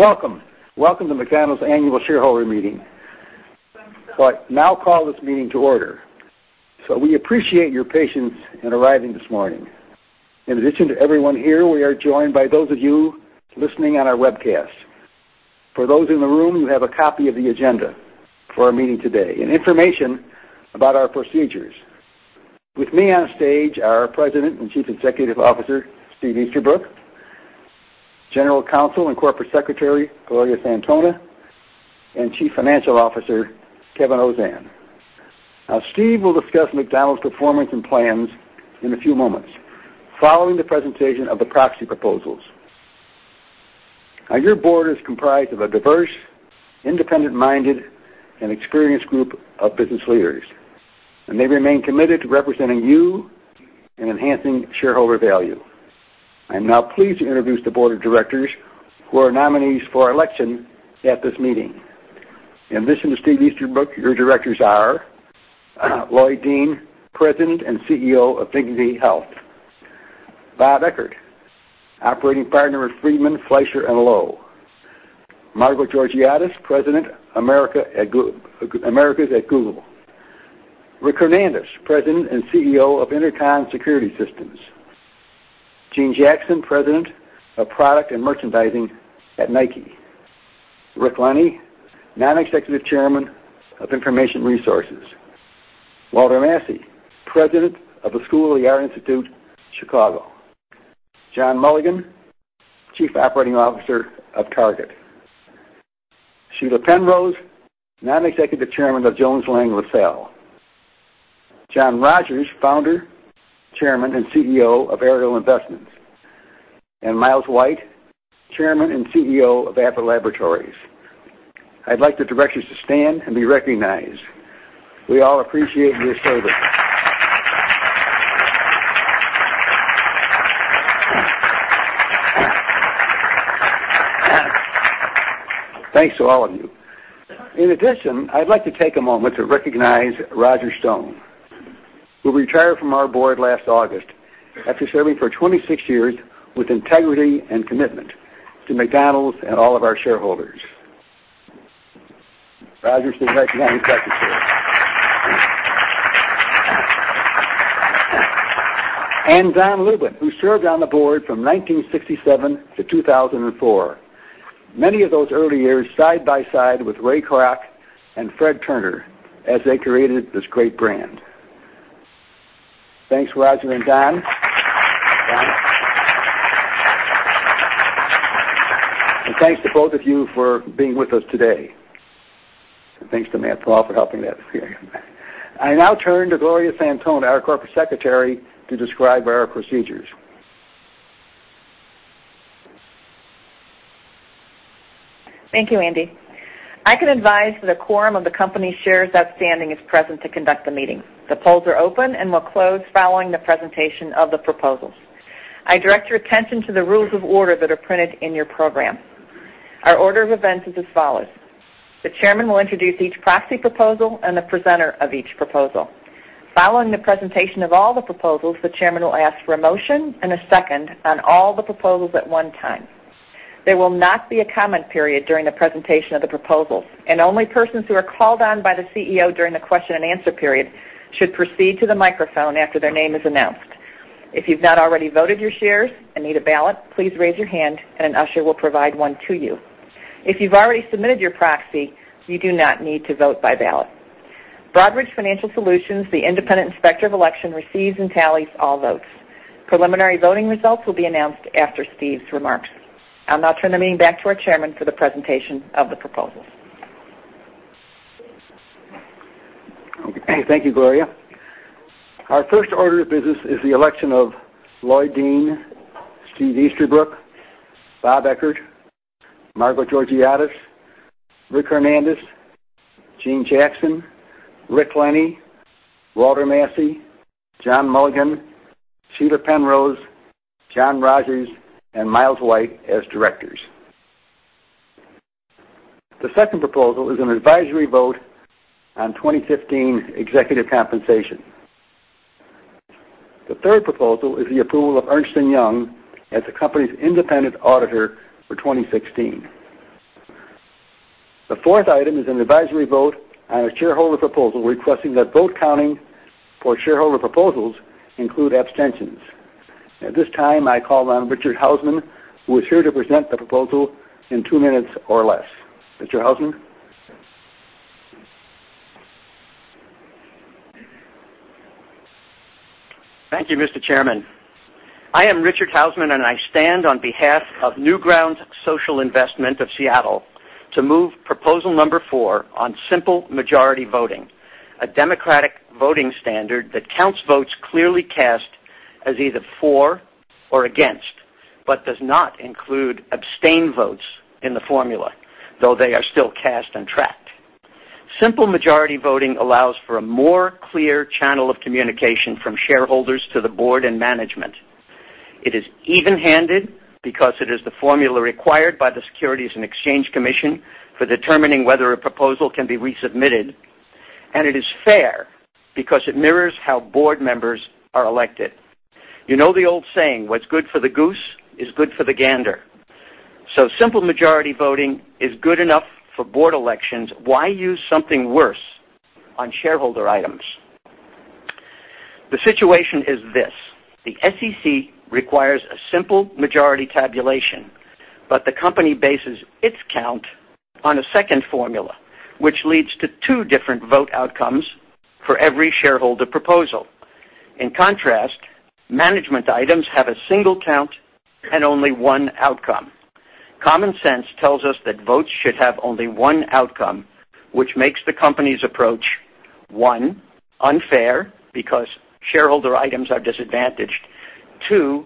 Welcome. Welcome to McDonald’s annual shareholder meeting. I now call this meeting to order. We appreciate your patience in arriving this morning. In addition to everyone here, we are joined by those of you listening on our webcast. For those in the room, you have a copy of the agenda for our meeting today and information about our procedures. With me on stage are our President and Chief Executive Officer, Steve Easterbrook, General Counsel and Corporate Secretary, Gloria Santona, and Chief Financial Officer, Kevin Ozan. Steve will discuss McDonald’s performance and plans in a few moments following the presentation of the proxy proposals. Your board is comprised of a diverse, independent-minded, and experienced group of business leaders, and they remain committed to representing you and enhancing shareholder value. I am now pleased to introduce the board of directors who are nominees for election at this meeting. In addition to Steve Easterbrook, your directors are Lloyd Dean, President and CEO of Dignity Health. Bob Eckert, Operating Partner at Friedman, Fleischer & Lowe. Margo Georgiadis, President, Americas at Google. Rick Hernandez, President and CEO of Inter-Con Security Systems. Jeanne Jackson, President of Product & Merchandising at Nike. Rick Lenny, Non-Executive Chairman of Information Resources. Walter Massey, President of the School of the Art Institute of Chicago. John Mulligan, Chief Operating Officer of Target. Sheila Penrose, Non-Executive Chairman of Jones Lang LaSalle. John Rogers, Founder, Chairman and CEO of Ariel Investments, and Miles White, Chairman and CEO of Abbott Laboratories. I’d like the directors to stand and be recognized. We all appreciate your service. Thanks to all of you. In addition, I’d like to take a moment to recognize Roger Stone, who retired from our board last August after serving for 26 years with integrity and commitment to McDonald’s and all of our shareholders. Roger, stand right behind the secretary. Don Lubin, who served on the board from 1967-2004, many of those early years side by side with Ray Kroc and Fred Turner as they created this great brand. Thanks, Roger and Don. Thanks to both of you for being with us today. Thanks to Matt Lau for helping that. I now turn to Gloria Santona, our Corporate Secretary, to describe our procedures. Thank you, Andy. I can advise that a quorum of the company’s shares outstanding is present to conduct the meeting. The polls are open and will close following the presentation of the proposals. I direct your attention to the rules of order that are printed in your program. Our order of events is as follows. The Chairman will introduce each proxy proposal and the presenter of each proposal. Following the presentation of all the proposals, the Chairman will ask for a motion and a second on all the proposals at one time. There will not be a comment period during the presentation of the proposals, and only persons who are called on by the CEO during the question and answer period should proceed to the microphone after their name is announced. If you've not already voted your shares and need a ballot, please raise your hand and an usher will provide one to you. If you've already submitted your proxy, you do not need to vote by ballot. Broadridge Financial Solutions, the independent inspector of election, receives and tallies all votes. Preliminary voting results will be announced after Steve's remarks. I'll now turn the meeting back to our chairman for the presentation of the proposals. Thank you, Gloria. Our first order of business is the election of Lloyd Dean, Steve Easterbrook, Bob Eckert, Margo Georgiadis, Rick Hernandez, Gene Jackson, Rick Lenney, Walter Massey, John Mulligan, Sheila Penrose, John Rogers, and Miles White as directors. The second proposal is an advisory vote on 2015 executive compensation. The third proposal is the approval of Ernst & Young as the company's independent auditor for 2016. The fourth item is an advisory vote on a shareholder proposal requesting that vote counting for shareholder proposals include abstentions. At this time, I call on Richard Houseman, who is here to present the proposal in two minutes or less. Mr. Houseman? Thank you, Mr. Chairman. I am Richard Houseman, and I stand on behalf of NorthStar Asset Management of Seattle to move proposal number four on simple majority voting, a democratic voting standard that counts votes clearly cast as either for or against, but does not include abstain votes in the formula, though they are still cast and tracked. Simple majority voting allows for a more clear channel of communication from shareholders to the board and management. It is even-handed because it is the formula required by the Securities and Exchange Commission for determining whether a proposal can be resubmitted. It is fair because it mirrors how board members are elected. You know the old saying, "What's good for the goose is good for the gander." Simple majority voting is good enough for board elections, why use something worse on shareholder items? The situation is this. The SEC requires a simple majority tabulation, but the company bases its count on a second formula, which leads to two different vote outcomes for every shareholder proposal. In contrast, management items have a single count and only one outcome. Common sense tells us that votes should have only one outcome, which makes the company's approach, one, unfair because shareholder items are disadvantaged, two,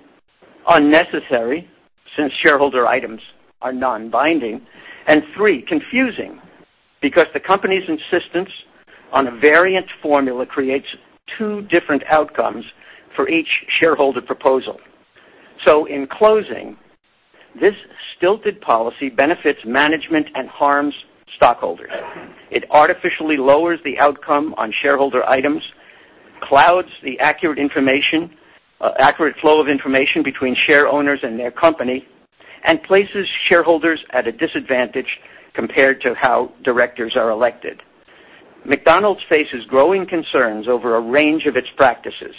unnecessary since shareholder items are non-binding, and three, confusing because the company's insistence on a variant formula creates two different outcomes for each shareholder proposal. In closing, this stilted policy benefits management and harms stockholders. It artificially lowers the outcome on shareholder items, clouds the accurate flow of information between share owners and their company, and places shareholders at a disadvantage compared to how directors are elected. McDonald's faces growing concerns over a range of its practices,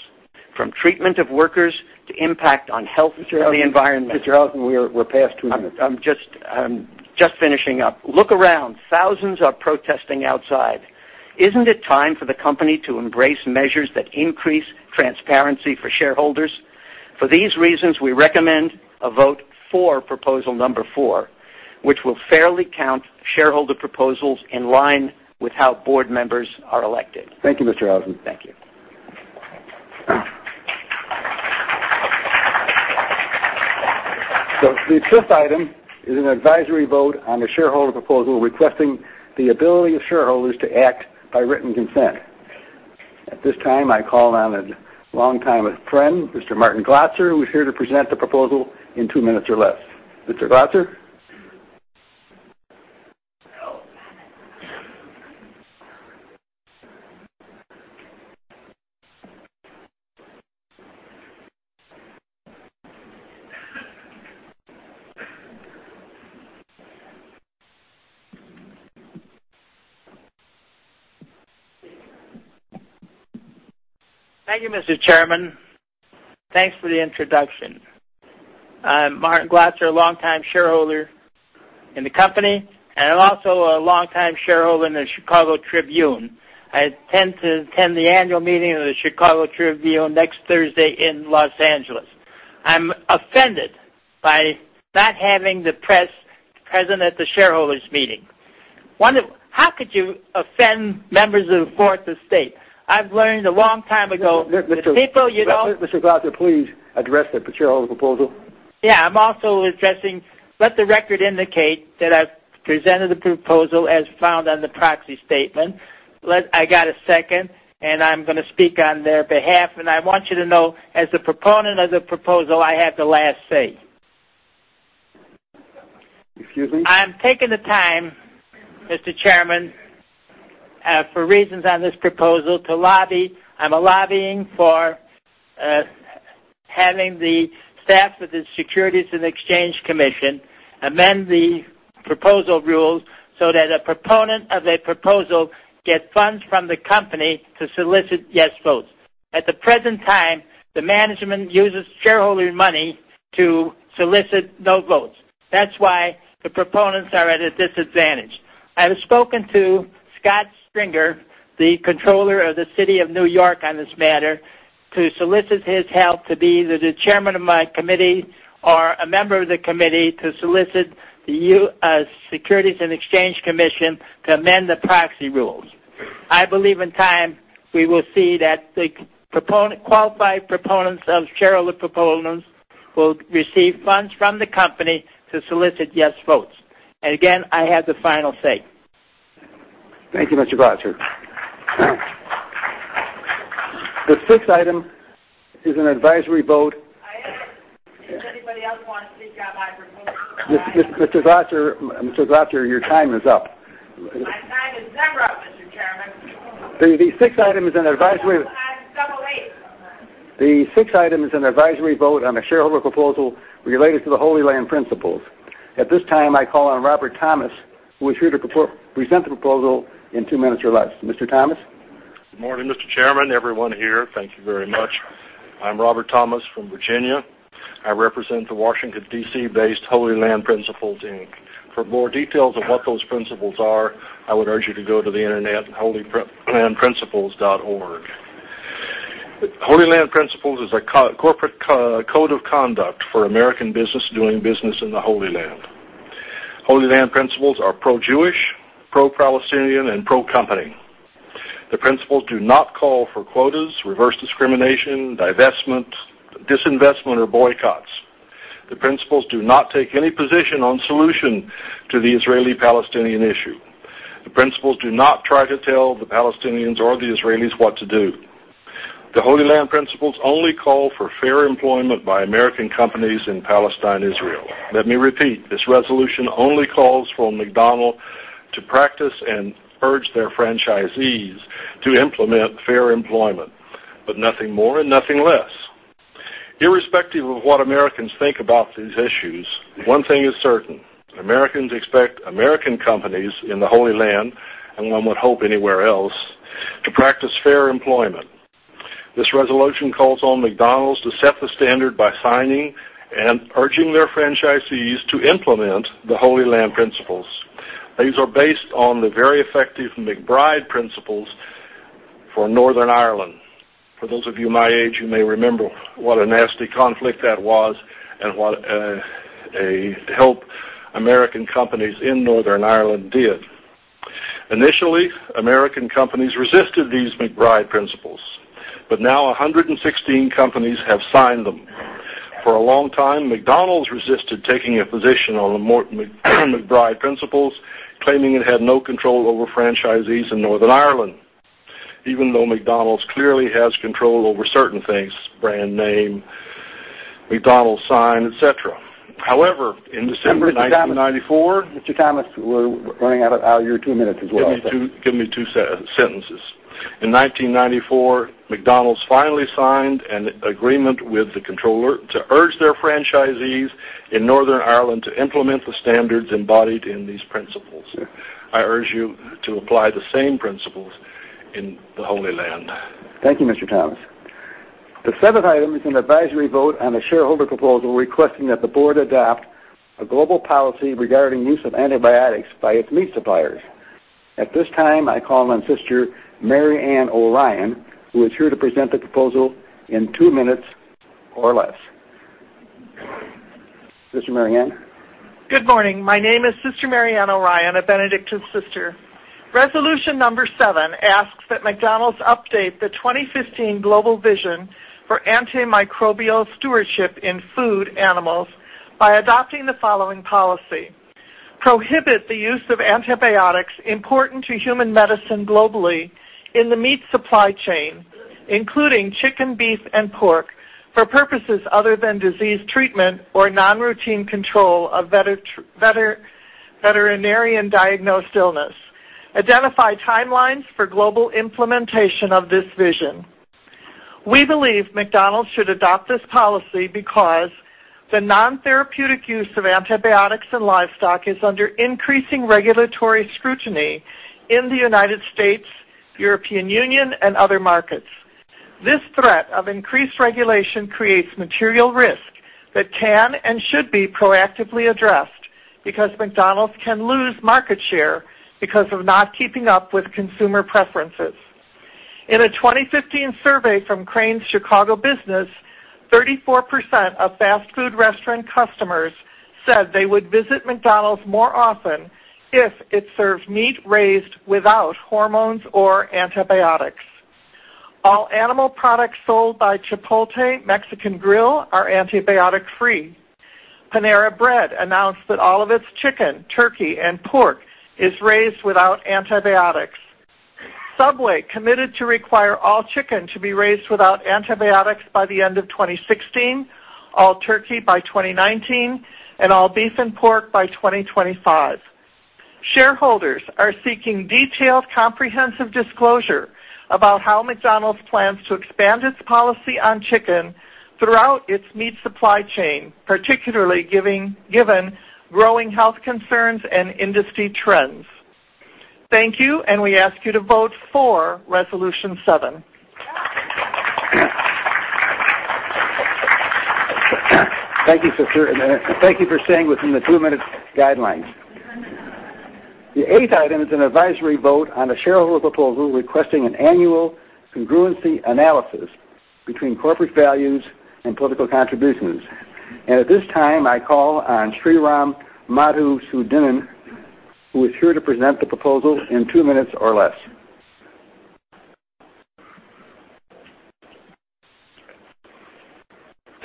from treatment of workers to impact on health and the environment. Mr. Houseman, we're past two minutes. I'm just finishing up. Look around. Thousands are protesting outside. Isn't it time for the company to embrace measures that increase transparency for shareholders? For these reasons, we recommend a vote for proposal number 4, which will fairly count shareholder proposals in line with how board members are elected. Thank you, Mr. Houseman. Thank you. The fifth item is an advisory vote on a shareholder proposal requesting the ability of shareholders to act by written consent. At this time, I call on a longtime friend, Mr. Martin Glotzer, who's here to present the proposal in two minutes or less. Mr. Glotzer? Thank you, Mr. Chairman. Thanks for the introduction. I'm Martin Glotzer, a longtime shareholder in the company, and also a longtime shareholder in the Chicago Tribune. I intend to attend the annual meeting of the Chicago Tribune next Thursday in L.A. I'm offended by not having the press present at the shareholders meeting. How could you offend members of the Fourth Estate? I've learned a long time ago that people. Mr. Glotzer, please address the shareholder proposal. Yeah, I'm also addressing, let the record indicate that I've presented the proposal as found on the proxy statement. I got a second, I'm going to speak on their behalf. I want you to know, as the proponent of the proposal, I have the last say. Excuse me? I'm taking the time, Mr. Chairman, for reasons on this proposal to lobby. I'm lobbying for having the staff of the Securities and Exchange Commission amend the proposal rules so that a proponent of a proposal gets funds from the company to solicit yes votes. At the present time, the management uses shareholder money to solicit no votes. That's why the proponents are at a disadvantage. I have spoken to Scott Stringer, the Comptroller of the City of New York, on this matter to solicit his help to be either the Chairman of my committee or a member of the committee to solicit the Securities and Exchange Commission to amend the proxy rules. I believe in time, we will see that the qualified proponents of shareholder proposals will receive funds from the company to solicit yes votes. Again, I have the final say. Thank you, Mr. Glotzer. The sixth item is an advisory vote. Does anybody else want to speak on my proposal? Mr. Glotzer, your time is up. My time is never up, Mr. Chairman. The sixth item is an advisory. I have double eighth. The sixth item is an advisory vote on a shareholder proposal related to the Holy Land Principles. At this time, I call on Robert Thomas, who is here to present the proposal in two minutes or less. Mr. Thomas? Good morning, Mr. Chairman, everyone here. Thank you very much. I'm Robert Thomas from Virginia. I represent the Washington, D.C.-based Holy Land Principles Inc. For more details on what those principles are, I would urge you to go to the internet, holylandprinciples.org. Holy Land Principles is a corporate code of conduct for American business doing business in the Holy Land. Holy Land Principles are pro-Jewish, pro-Palestinian, and pro-company. The principles do not call for quotas, reverse discrimination, divestment, disinvestment, or boycotts. The principles do not take any position on solution to the Israeli-Palestinian issue. The principles do not try to tell the Palestinians or the Israelis what to do. The Holy Land Principles only call for fair employment by American companies in Palestine, Israel. Let me repeat, this resolution only calls for McDonald's to practice and urge their franchisees to implement fair employment, but nothing more and nothing less. Irrespective of what Americans think about these issues, one thing is certain: Americans expect American companies in the Holy Land, and one would hope anywhere else, to practice fair employment. This resolution calls on McDonald's to set the standard by signing and urging their franchisees to implement the Holy Land Principles. These are based on the very effective MacBride Principles for Northern Ireland. For those of you my age, you may remember what a nasty conflict that was and what help American companies in Northern Ireland did. Initially, American companies resisted these MacBride Principles, but now 116 companies have signed them. For a long time, McDonald's resisted taking a position on the MacBride Principles, claiming it had no control over franchisees in Northern Ireland, even though McDonald's clearly has control over certain things, brand name, McDonald's sign, et cetera. However, in December 1994- Mr. Thomas, we're running out of your two minutes as well. Give me two sentences. In 1994, McDonald's finally signed an agreement with the comptroller to urge their franchisees in Northern Ireland to implement the standards embodied in these principles. I urge you to apply the same principles in the Holy Land. Thank you, Mr. Thomas. The seventh item is an advisory vote on a shareholder proposal requesting that the board adopt a global policy regarding use of antibiotics by its meat suppliers. At this time, I call on Sister Marianne O'Ryan, who is here to present the proposal in two minutes or less. Sister Marianne. Good morning. My name is Sister Marianne O'Ryan, a Benedictine sister. Resolution number seven asks that McDonald's update the 2015 global vision for antimicrobial stewardship in food animals by adopting the following policy: prohibit the use of antibiotics important to human medicine globally in the meat supply chain, including chicken, beef, and pork, for purposes other than disease treatment or non-routine control of veterinarian-diagnosed illness. Identify timelines for global implementation of this vision. We believe McDonald's should adopt this policy because the non-therapeutic use of antibiotics in livestock is under increasing regulatory scrutiny in the United States, European Union, and other markets. This threat of increased regulation creates material risk that can and should be proactively addressed because McDonald's can lose market share because of not keeping up with consumer preferences. In a 2015 survey from Crain's Chicago Business, 34% of fast food restaurant customers said they would visit McDonald's more often if it served meat raised without hormones or antibiotics. All animal products sold by Chipotle Mexican Grill are antibiotic-free. Panera Bread announced that all of its chicken, turkey, and pork is raised without antibiotics. Subway committed to require all chicken to be raised without antibiotics by the end of 2016, all turkey by 2019, and all beef and pork by 2025. Shareholders are seeking detailed, comprehensive disclosure about how McDonald's plans to expand its policy on chicken throughout its meat supply chain, particularly given growing health concerns and industry trends. Thank you. We ask you to vote for resolution 7. Thank you, sister. Thank you for staying within the two minutes guidelines. The eighth item is an advisory vote on a shareholder proposal requesting an annual congruency analysis between corporate values and political contributions. At this time, I call on Sriram Madhusoodanan, who is here to present the proposal in two minutes or less.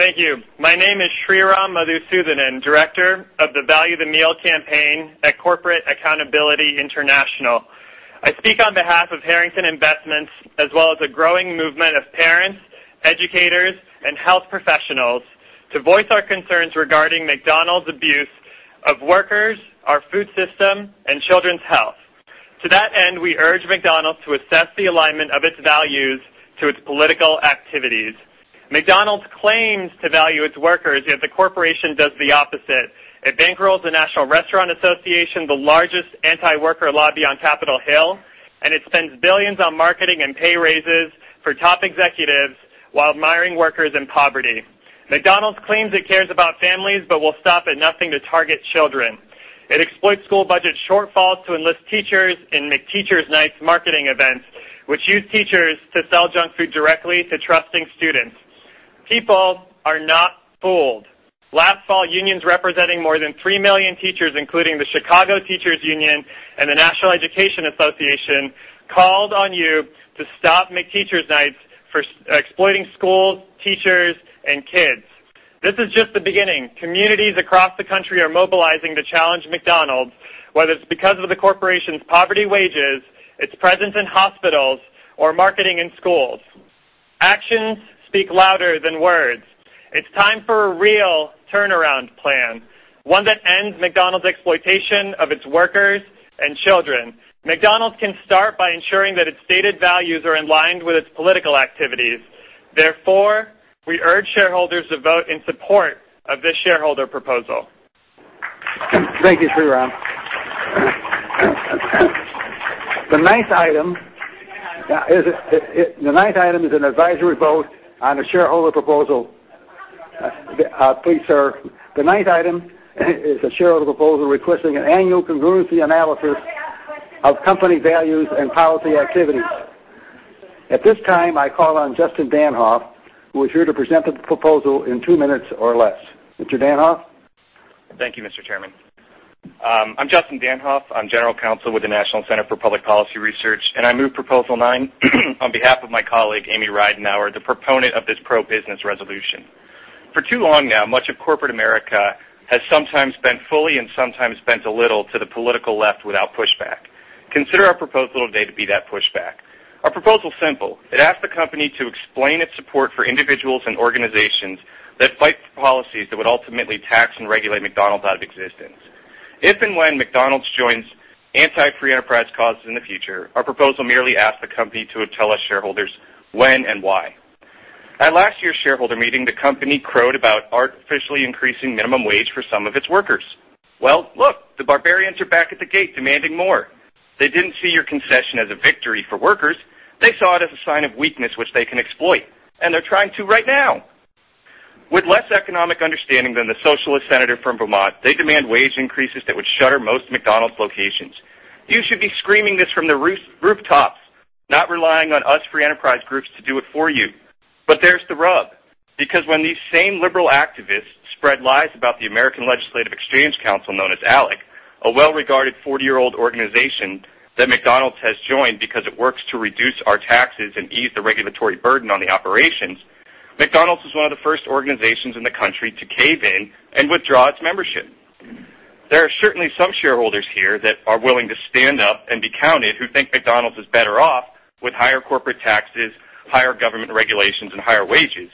Thank you. My name is Sriram Madhusoodanan, Director of the Value the Meal campaign at Corporate Accountability International. I speak on behalf of Harrington Investments, as well as a growing movement of parents, educators, and health professionals to voice our concerns regarding McDonald's abuse of workers, our food system, and children's health. To that end, we urge McDonald's to assess the alignment of its values to its political activities. McDonald's claims to value its workers, yet the corporation does the opposite. It bankrolls the National Restaurant Association, the largest anti-worker lobby on Capitol Hill. It spends billions on marketing and pay raises for top executives while miring workers in poverty. McDonald's claims it cares about families but will stop at nothing to target children. It exploits school budget shortfalls to enlist teachers in McTeacher's Night marketing events, which use teachers to sell junk food directly to trusting students. People are not fooled. Last fall, unions representing more than 3 million teachers, including the Chicago Teachers Union and the National Education Association, called on you to stop McTeacher's Nights for exploiting schools, teachers and kids. This is just the beginning. Communities across the country are mobilizing to challenge McDonald's, whether it's because of the corporation's poverty wages, its presence in hospitals, or marketing in schools. Actions speak louder than words. It's time for a real turnaround plan, one that ends McDonald's exploitation of its workers and children. McDonald's can start by ensuring that its stated values are in line with its political activities. We urge shareholders to vote in support of this shareholder proposal. Thank you, Sriram. The ninth item is an advisory vote on a shareholder proposal. Please, sir. The ninth item is a shareholder proposal requesting an annual congruency analysis of company values and policy activities. At this time, I call on Justin Danhof, who is here to present the proposal in 2 minutes or less. Mr. Danhof? Thank you, Mr. Chairman. I'm Justin Danhof. I'm general counsel with the National Center for Public Policy Research, and I move proposal 9 on behalf of my colleague, Amy Ridenour, the proponent of this pro-business resolution. For too long now, much of corporate America has sometimes bent fully and sometimes bent a little to the political left without pushback. Consider our proposal today to be that pushback. Our proposal is simple. It asks the company to explain its support for individuals and organizations that fight for policies that would ultimately tax and regulate McDonald's out of existence. If and when McDonald's joins anti-free enterprise causes in the future, our proposal merely asks the company to tell us shareholders when and why. At last year's shareholder meeting, the company crowed about artificially increasing minimum wage for some of its workers. Well, look, the barbarians are back at the gate demanding more. They didn't see your concession as a victory for workers. They saw it as a sign of weakness, which they can exploit, and they're trying to right now. With less economic understanding than the socialist senator from Vermont, they demand wage increases that would shutter most McDonald's locations. You should be screaming this from the rooftops, not relying on us free enterprise groups to do it for you. There's the rub. When these same liberal activists spread lies about the American Legislative Exchange Council, known as ALEC, a well-regarded 40-year-old organization that McDonald's has joined because it works to reduce our taxes and ease the regulatory burden on the operations, McDonald's was one of the first organizations in the country to cave in and withdraw its membership. There are certainly some shareholders here that are willing to stand up and be counted who think McDonald's is better off with higher corporate taxes, higher government regulations, and higher wages.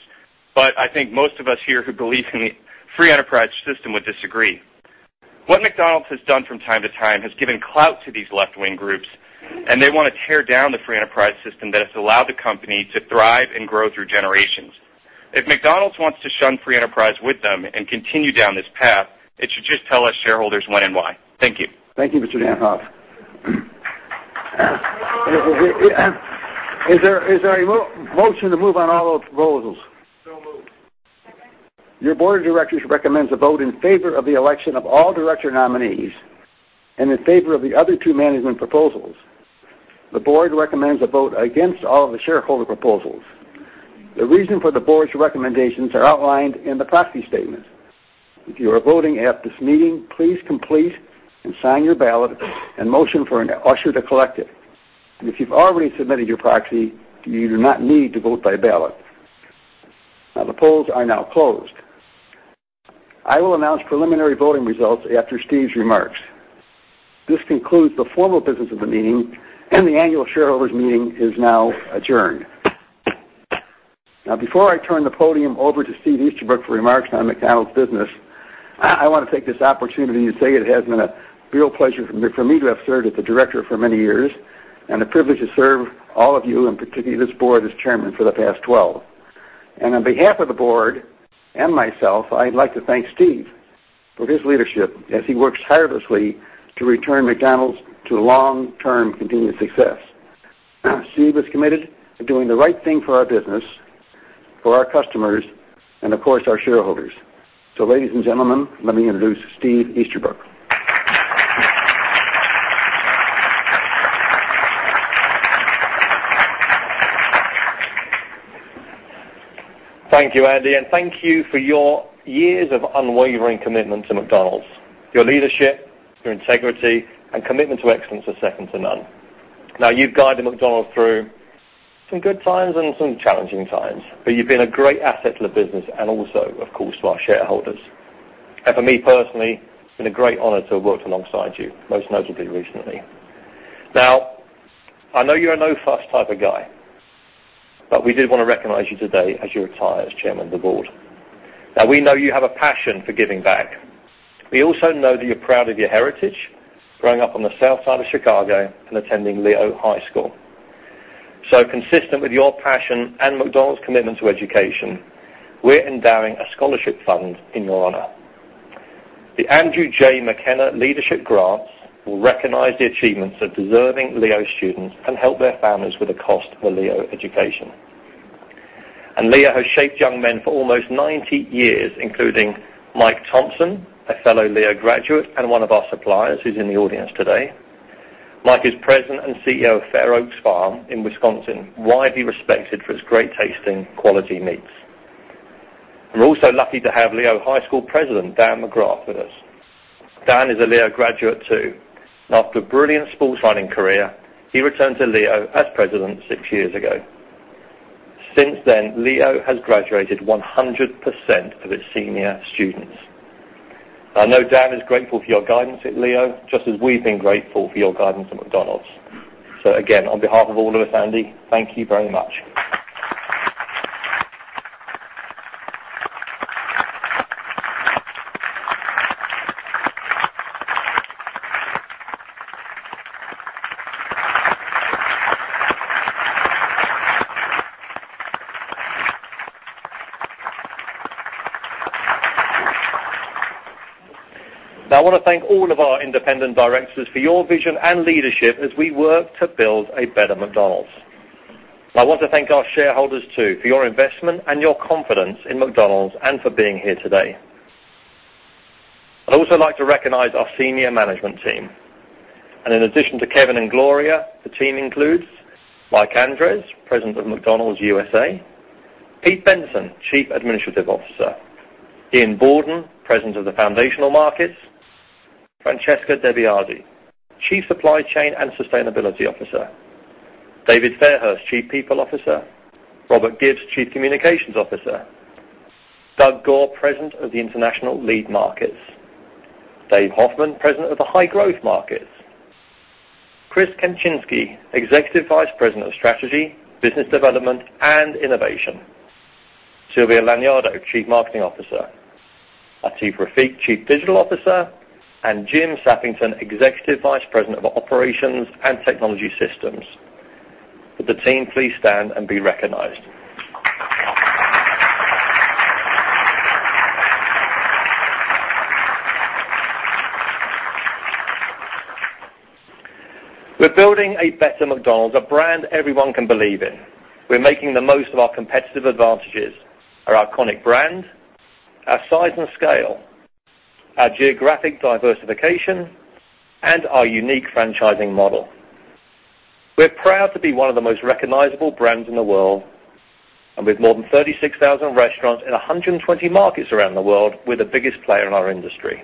I think most of us here who believe in the free enterprise system would disagree. What McDonald's has done from time to time has given clout to these left-wing groups, and they want to tear down the free enterprise system that has allowed the company to thrive and grow through generations. If McDonald's wants to shun free enterprise with them and continue down this path, it should just tell us shareholders when and why. Thank you. Thank you, Mr. Danhoff. Is there a motion to move on all those proposals? Moved. Your board of directors recommends a vote in favor of the election of all director nominees and in favor of the other two management proposals. The board recommends a vote against all the shareholder proposals. The reason for the board's recommendations are outlined in the proxy statement. If you are voting at this meeting, please complete and sign your ballot and motion for an usher to collect it. If you've already submitted your proxy, you do not need to vote by ballot. The polls are now closed. I will announce preliminary voting results after Steve's remarks. This concludes the formal business of the meeting, and the annual shareholders' meeting is now adjourned. Before I turn the podium over to Steve Easterbrook for remarks on McDonald's business, I want to take this opportunity to say it has been a real pleasure for me to have served as a director for many years and a privilege to serve all of you, and particularly this board, as chairman for the past 12. On behalf of the board and myself, I'd like to thank Steve for his leadership as he works tirelessly to return McDonald's to long-term continued success. Steve is committed to doing the right thing for our business, for our customers, and of course, our shareholders. Ladies and gentlemen, let me introduce Steve Easterbrook. Thank you, Andy, and thank you for your years of unwavering commitment to McDonald's. Your leadership, your integrity, and commitment to excellence are second to none. You've guided McDonald's through some good times and some challenging times, but you've been a great asset to the business and also, of course, to our shareholders. For me personally, it's been a great honor to have worked alongside you, most notably recently. I know you're a no-fuss type of guy, but we did want to recognize you today as you retire as Chairman of the Board. We know you have a passion for giving back. We also know that you're proud of your heritage, growing up on the South Side of Chicago and attending Leo High School. Consistent with your passion and McDonald's commitment to education, we're endowing a scholarship fund in your honor. The Andrew J. McKenna Leadership Grants will recognize the achievements of deserving Leo students and help their families with the cost of a Leo education. Leo has shaped young men for almost 90 years, including Mike Thompson, a fellow Leo graduate and one of our suppliers, who's in the audience today. Mike is President and CEO of Fair Oaks Farms in Wisconsin, widely respected for its great-tasting quality meats. We're also lucky to have Leo High School President Dan McGrath with us. Dan is a Leo graduate too. After a brilliant sports writing career, he returned to Leo as President 6 years ago. Since then, Leo has graduated 100% of its senior students. I know Dan is grateful for your guidance at Leo, just as we've been grateful for your guidance at McDonald's. Again, on behalf of all of us, Andy, thank you very much. I want to thank all of our independent directors for your vision and leadership as we work to build a better McDonald's. I want to thank our shareholders too, for your investment and your confidence in McDonald's, and for being here today. I'd also like to recognize our senior management team. In addition to Kevin and Gloria, the team includes Mike Andres, President of McDonald's USA; Pete Bensen, Chief Administrative Officer; Ian Borden, President of the Foundational Markets; Francesca DeBiase, Chief Supply Chain and Sustainability Officer; David Fairhurst, Chief People Officer; Robert Gibbs, Chief Communications Officer; Doug Goare, President of the International Lead Markets; Dave Hoffmann, President of the High Growth Markets; Chris Kempczinski, Executive Vice President of Strategy, Business Development, and Innovation; Silvia Lagnado, Chief Marketing Officer; Atif Rafiq, Chief Digital Officer; and Jim Sappington, Executive Vice President of Operations and Technology Systems. Would the team please stand and be recognized? We're building a better McDonald's, a brand everyone can believe in. We're making the most of our competitive advantages, our iconic brand, our size and scale, our geographic diversification, and our unique franchising model. We're proud to be one of the most recognizable brands in the world, and with more than 36,000 restaurants in 120 markets around the world, we're the biggest player in our industry.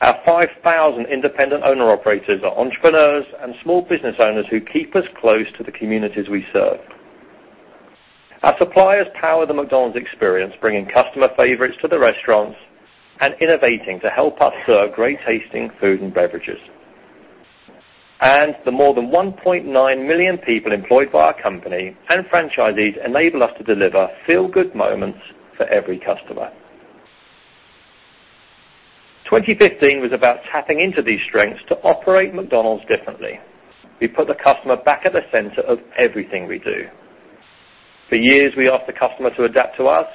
Our 5,000 independent owner-operators are entrepreneurs and small business owners who keep us close to the communities we serve. Our suppliers power the McDonald's experience, bringing customer favorites to the restaurants and innovating to help us serve great-tasting food and beverages. The more than 1.9 million people employed by our company and franchisees enable us to deliver feel-good moments for every customer. 2015 was about tapping into these strengths to operate McDonald's differently. We put the customer back at the center of everything we do. For years, we asked the customer to adapt to us.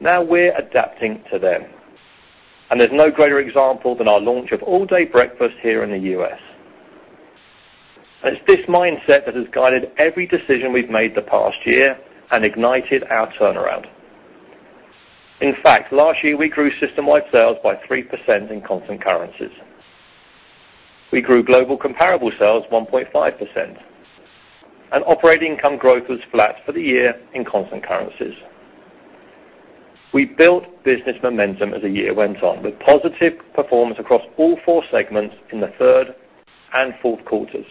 Now we're adapting to them. There's no greater example than our launch of all-day breakfast here in the U.S. It's this mindset that has guided every decision we've made the past year and ignited our turnaround. In fact, last year, we grew system-wide sales by 3% in constant currencies. We grew global comparable sales 1.5%. Operating income growth was flat for the year in constant currencies. We built business momentum as the year went on, with positive performance across all four segments in the third and fourth quarters.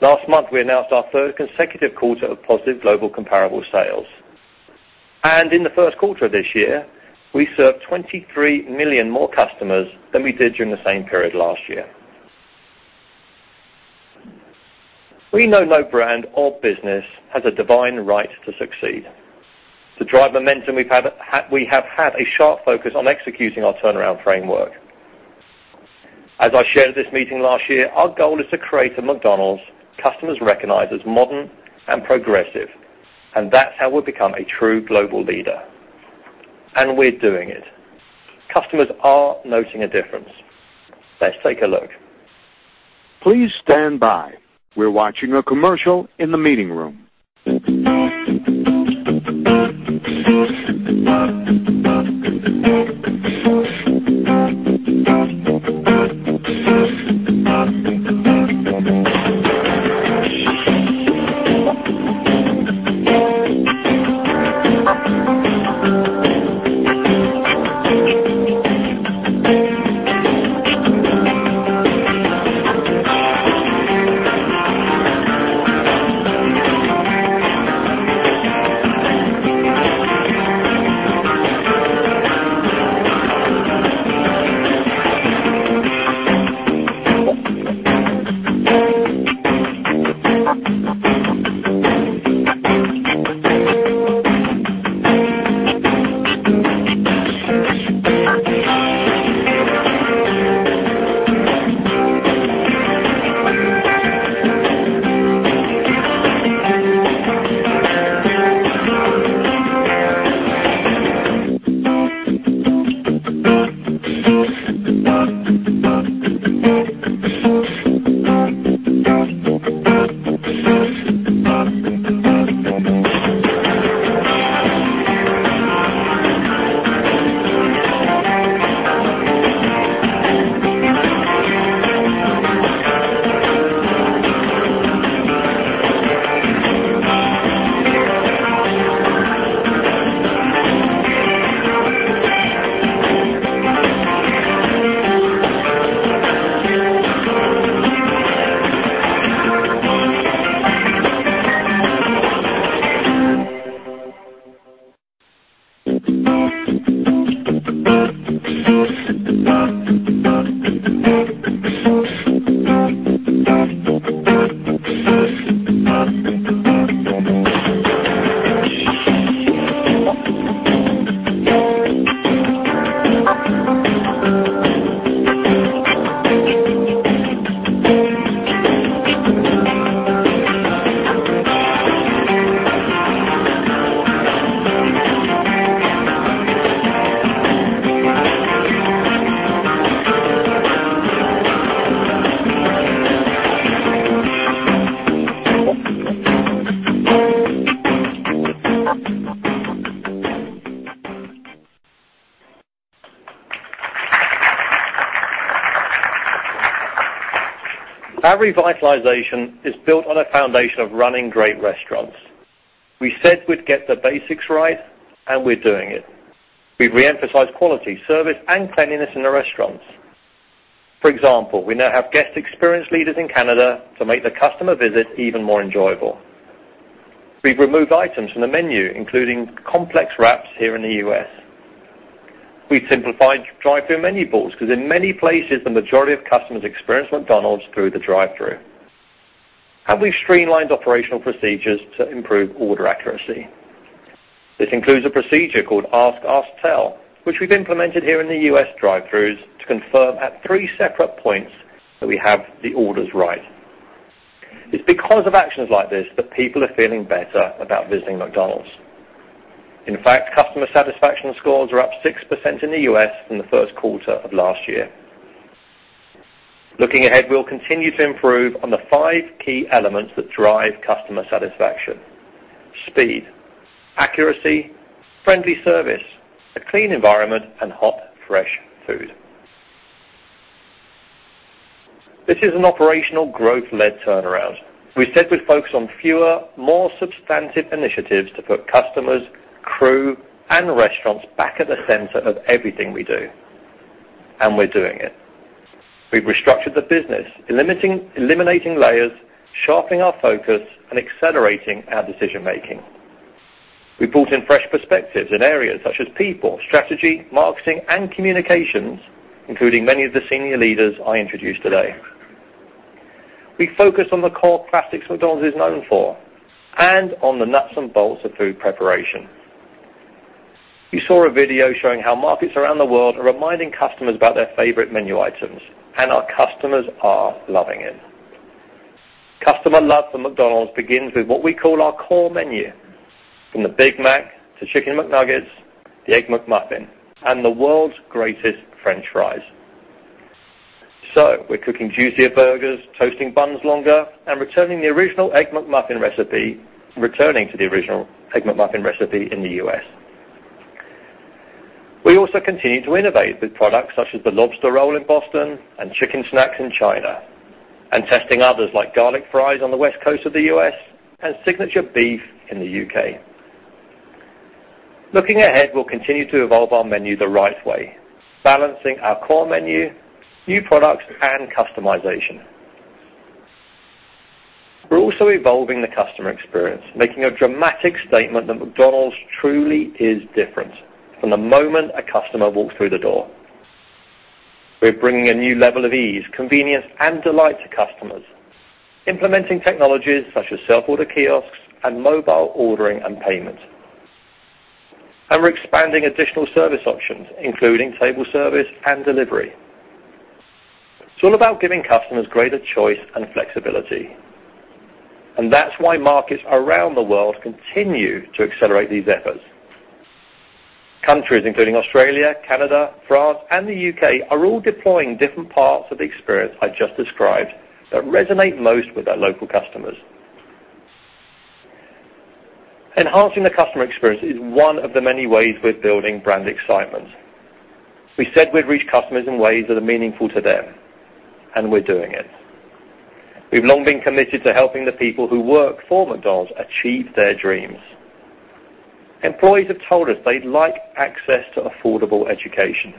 Last month, we announced our third consecutive quarter of positive global comparable sales. In the first quarter of this year, we served 23 million more customers than we did during the same period last year. We know no brand or business has a divine right to succeed. To drive momentum, we have had a sharp focus on executing our turnaround framework. As I shared at this meeting last year, our goal is to create a McDonald's customers recognize as modern and progressive, that's how we become a true global leader. We're doing it. Customers are noting a difference. Let's take a look. Please stand by. We're watching a commercial in the meeting room. Our revitalization is built on a foundation of running great restaurants. We said we'd get the basics right, we're doing it. We've re-emphasized quality, service, and cleanliness in the restaurants. For example, we now have guest experience leaders in Canada to make the customer visit even more enjoyable. We've removed items from the menu, including complex wraps here in the U.S. We've simplified drive-thru menu boards, because in many places, the majority of customers experience McDonald's through the drive-thru. We've streamlined operational procedures to improve order accuracy. This includes a procedure called Ask, Tell, which we've implemented here in the U.S. drive-thrus to confirm at three separate points that we have the orders right. It's because of actions like this that people are feeling better about visiting McDonald's. In fact, customer satisfaction scores are up 6% in the U.S. from the first quarter of last year. Looking ahead, we'll continue to improve on the five key elements that drive customer satisfaction. Speed, accuracy, friendly service, a clean environment, and hot, fresh food. This is an operational growth-led turnaround. We said we'd focus on fewer, more substantive initiatives to put customers, crew, and restaurants back at the center of everything we do. We're doing it. We've restructured the business, eliminating layers, sharpening our focus, and accelerating our decision-making. We brought in fresh perspectives in areas such as people, strategy, marketing, and communications, including many of the senior leaders I introduced today. We focus on the core classics McDonald's is known for and on the nuts and bolts of food preparation. You saw a video showing how markets around the world are reminding customers about their favorite menu items, our customers are loving it. Customer love for McDonald's begins with what we call our core menu, from the Big Mac to Chicken McNuggets, the Egg McMuffin, and the world's greatest French fries. We're cooking juicier burgers, toasting buns longer, and returning to the original Egg McMuffin recipe in the U.S. We also continue to innovate with products such as the Lobster Roll in Boston and Chicken Snacks in China, testing others like Garlic Fries on the West Coast of the U.S. and Signature Beef in the U.K. Looking ahead, we'll continue to evolve our menu the right way, balancing our core menu, new products, and customization. We're also evolving the customer experience, making a dramatic statement that McDonald's truly is different from the moment a customer walks through the door. We're bringing a new level of ease, convenience, and delight to customers. Implementing technologies such as self-order kiosks and mobile ordering and payment. We're expanding additional service options, including table service and delivery. It's all about giving customers greater choice and flexibility. That's why markets around the world continue to accelerate these efforts. Countries including Australia, Canada, France, and the U.K. are all deploying different parts of the experience I just described that resonate most with their local customers. Enhancing the customer experience is one of the many ways we're building brand excitement. We said we'd reach customers in ways that are meaningful to them, and we're doing it. We've long been committed to helping the people who work for McDonald's achieve their dreams. Employees have told us they'd like access to affordable education.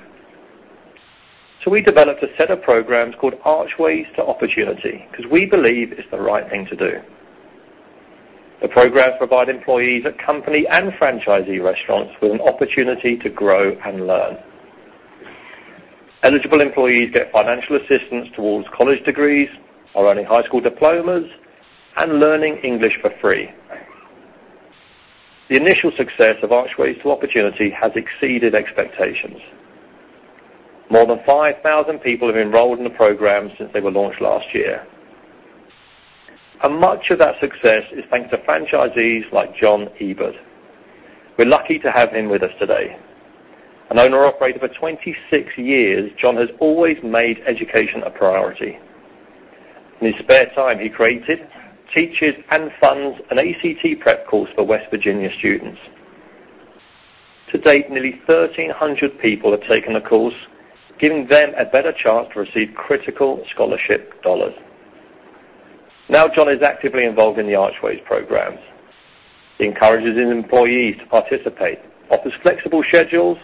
We developed a set of programs called Archways to Opportunity because we believe it's the right thing to do. The programs provide employees at company and franchisee restaurants with an opportunity to grow and learn. Eligible employees get financial assistance towards college degrees or earning high school diplomas and learning English for free. The initial success of Archways to Opportunity has exceeded expectations. More than 5,000 people have enrolled in the program since they were launched last year. Much of that success is thanks to franchisees like John Ebert. We're lucky to have him with us today. An owner-operator for 26 years, John has always made education a priority. In his spare time, he created, teaches, and funds an ACT prep course for West Virginia students. To date, nearly 1,300 people have taken the course, giving them a better chance to receive critical scholarship dollars. John is actively involved in the Archways programs. He encourages his employees to participate, offers flexible schedules,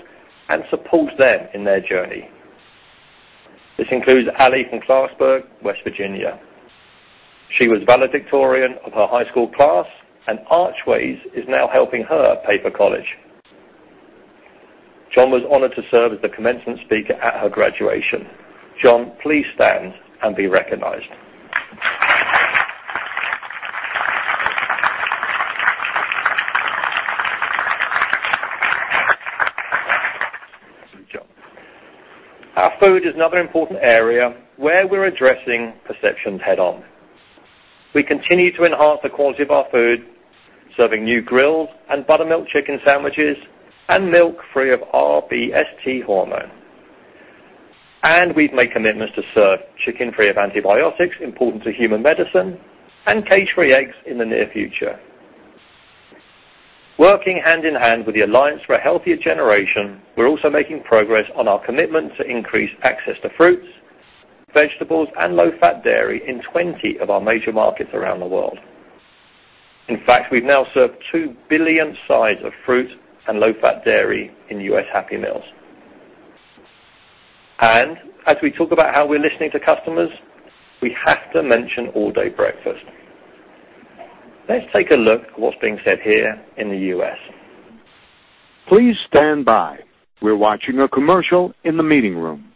and supports them in their journey. This includes Ali from Clarksburg, West Virginia. She was valedictorian of her high school class, and Archways is now helping her pay for college. John was honored to serve as the commencement speaker at her graduation. John, please stand and be recognized. Thank you, John. Our food is another important area where we're addressing perceptions head-on. We continue to enhance the quality of our food, serving new grills and buttermilk chicken sandwiches, and milk free of rBST hormone. We've made commitments to serve chicken free of antibiotics important to human medicine and cage-free eggs in the near future. Working hand-in-hand with the Alliance for a Healthier Generation, we're also making progress on our commitment to increase access to fruits, vegetables, and low-fat dairy in 20 of our major markets around the world. In fact, we've now served 2 billion sides of fruit and low-fat dairy in U.S. Happy Meals. As we talk about how we're listening to customers, we have to mention all-day breakfast. Let's take a look at what's being said here in the U.S. Please stand by. We're watching a commercial in the meeting room.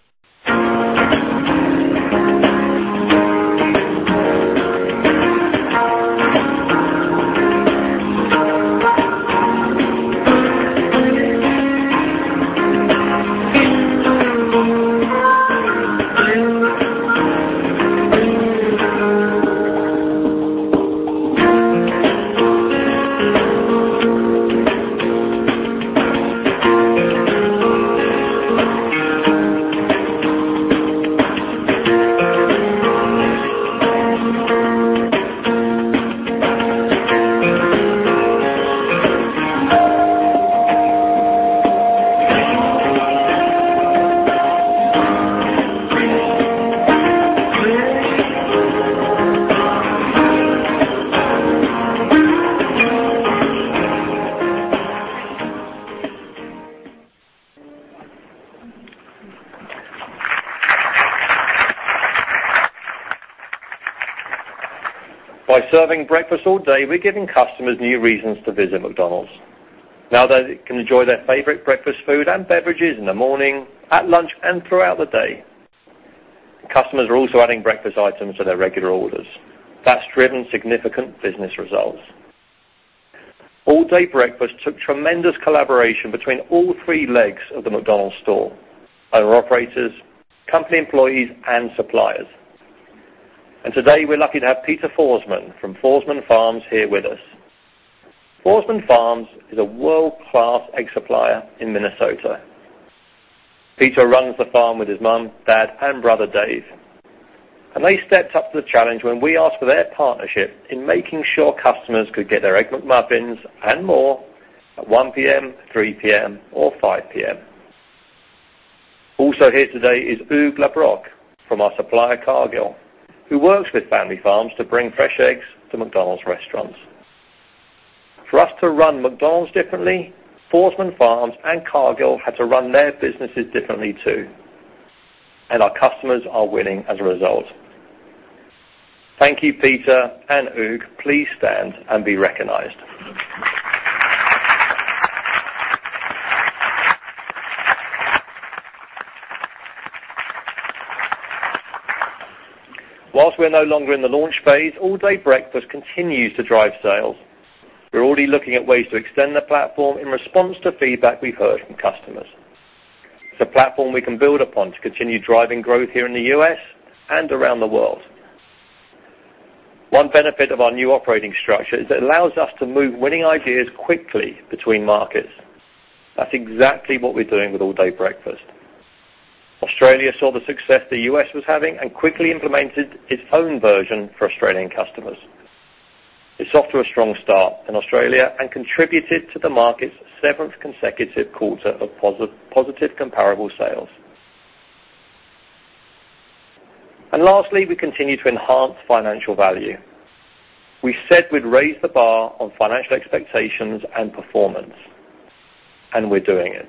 By serving breakfast all day, we're giving customers new reasons to visit McDonald's. Now they can enjoy their favorite breakfast food and beverages in the morning, at lunch, and throughout the day. Customers are also adding breakfast items to their regular orders. That's driven significant business results. All-day breakfast took tremendous collaboration between all three legs of the McDonald's store: owner-operators, company employees, and suppliers. Today, we're lucky to have Peter Forsman from Forsman Farms here with us. Forsman Farms is a world-class egg supplier in Minnesota. Peter runs the farm with his mom, dad, and brother, Dave, and they stepped up to the challenge when we asked for their partnership in making sure customers could get their Egg McMuffins and more at 1:00 P.M., 3:00 P.M., or 5:00 P.M. Also here today is Hugues Lebrun from our supplier, Cargill, who works with family farms to bring fresh eggs to McDonald's restaurants. For us to run McDonald's differently, Forsman Farms and Cargill had to run their businesses differently, too, and our customers are winning as a result. Thank you, Peter and Hugues. Please stand and be recognized. Whilst we're no longer in the launch phase, all-day breakfast continues to drive sales. We're already looking at ways to extend the platform in response to feedback we've heard from customers. It's a platform we can build upon to continue driving growth here in the U.S. and around the world. One benefit of our new operating structure is it allows us to move winning ideas quickly between markets. That's exactly what we're doing with all-day breakfast. Australia saw the success the U.S. was having and quickly implemented its own version for Australian customers. Lastly, we continue to enhance financial value. We said we'd raise the bar on financial expectations and performance, and we're doing it.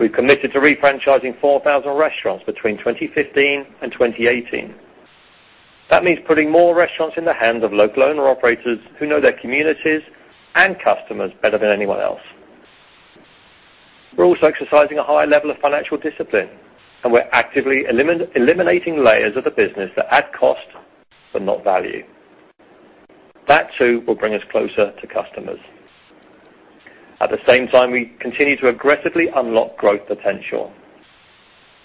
We've committed to refranchising 4,000 restaurants between 2015 and 2018. That means putting more restaurants in the hands of local owner-operators who know their communities and customers better than anyone else. We're also exercising a high level of financial discipline, and we're actively eliminating layers of the business that add cost but not value. That, too, will bring us closer to customers. At the same time, we continue to aggressively unlock growth potential.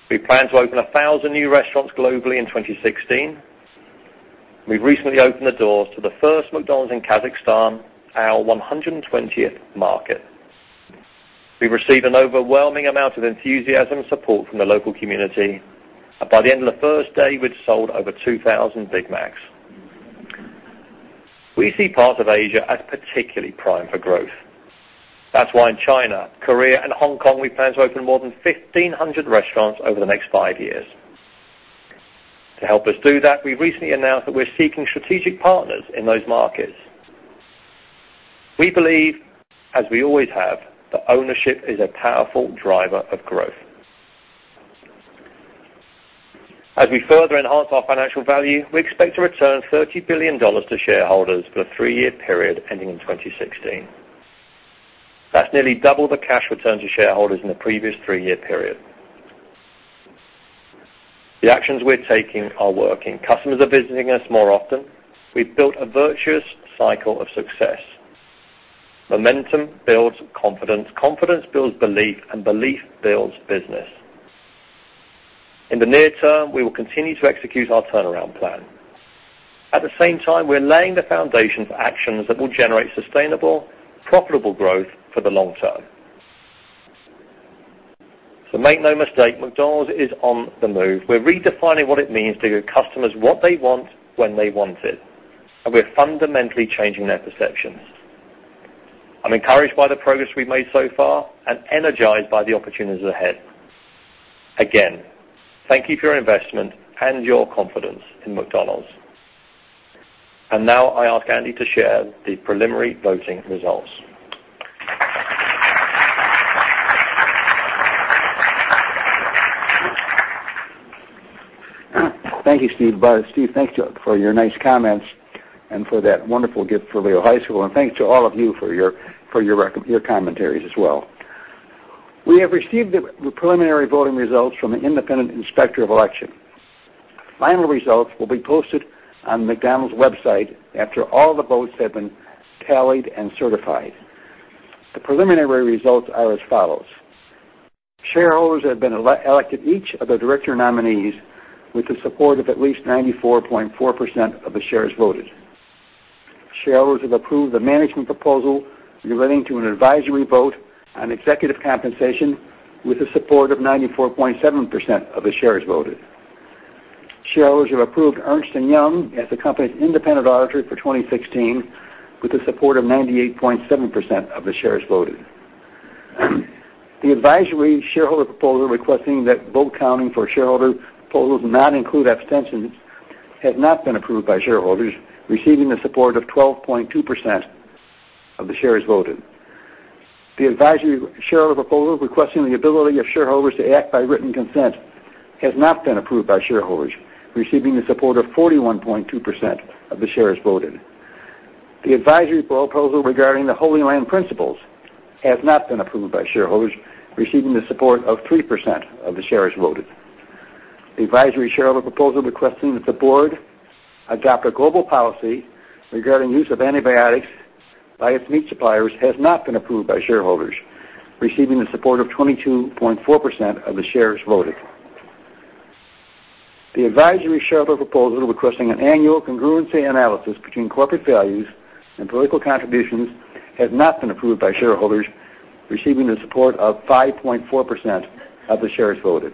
We plan to open 1,000 new restaurants globally in 2016. We've recently opened the doors to the first McDonald's in Kazakhstan, our 120th market. We received an overwhelming amount of enthusiasm and support from the local community. By the end of the first day, we'd sold over 2,000 Big Macs. We see parts of Asia as particularly prime for growth. That's why in China, Korea, and Hong Kong, we plan to open more than 1,500 restaurants over the next 5 years. To help us do that, we recently announced that we're seeking strategic partners in those markets. We believe, as we always have, that ownership is a powerful driver of growth. As we further enhance our financial value, we expect to return $30 billion to shareholders for a three-year period ending in 2016. That's nearly double the cash return to shareholders in the previous three-year period. The actions we're taking are working. Customers are visiting us more often. We've built a virtuous cycle of success. Momentum builds confidence builds belief builds business. In the near term, we will continue to execute our turnaround plan. At the same time, we're laying the foundation for actions that will generate sustainable, profitable growth for the long term. Make no mistake, McDonald's is on the move. We're redefining what it means to give customers what they want when they want it, we're fundamentally changing their perceptions. I'm encouraged by the progress we've made so far and energized by the opportunities ahead. Again, thank you for your investment and your confidence in McDonald's. Now I ask Andy to share the preliminary voting results. Thank you, Steve. Steve, thanks for your nice comments and for that wonderful gift for Leo High School, thanks to all of you for your commentaries as well. We have received the preliminary voting results from the independent inspector of election. Final results will be posted on McDonald's website after all the votes have been tallied and certified. The preliminary results are as follows. Shareholders have elected each of the director nominees with the support of at least 94.4% of the shares voted. Shareholders have approved the management proposal relating to an advisory vote on executive compensation with the support of 94.7% of the shares voted. Shareholders have approved Ernst & Young as the company's independent auditor for 2016 with the support of 98.7% of the shares voted. The advisory shareholder proposal requesting that vote counting for shareholder proposals not include abstentions has not been approved by shareholders, receiving the support of 12.2% of the shares voted. The advisory shareholder proposal requesting the ability of shareholders to act by written consent has not been approved by shareholders, receiving the support of 41.2% of the shares voted. The advisory proposal regarding the Holy Land Principles has not been approved by shareholders, receiving the support of 3% of the shares voted. The advisory shareholder proposal requesting that the board adopt a global policy regarding use of antibiotics by its meat suppliers has not been approved by shareholders, receiving the support of 22.4% of the shares voted. The advisory shareholder proposal requesting an annual congruency analysis between corporate values and political contributions has not been approved by shareholders, receiving the support of 5.4% of the shares voted.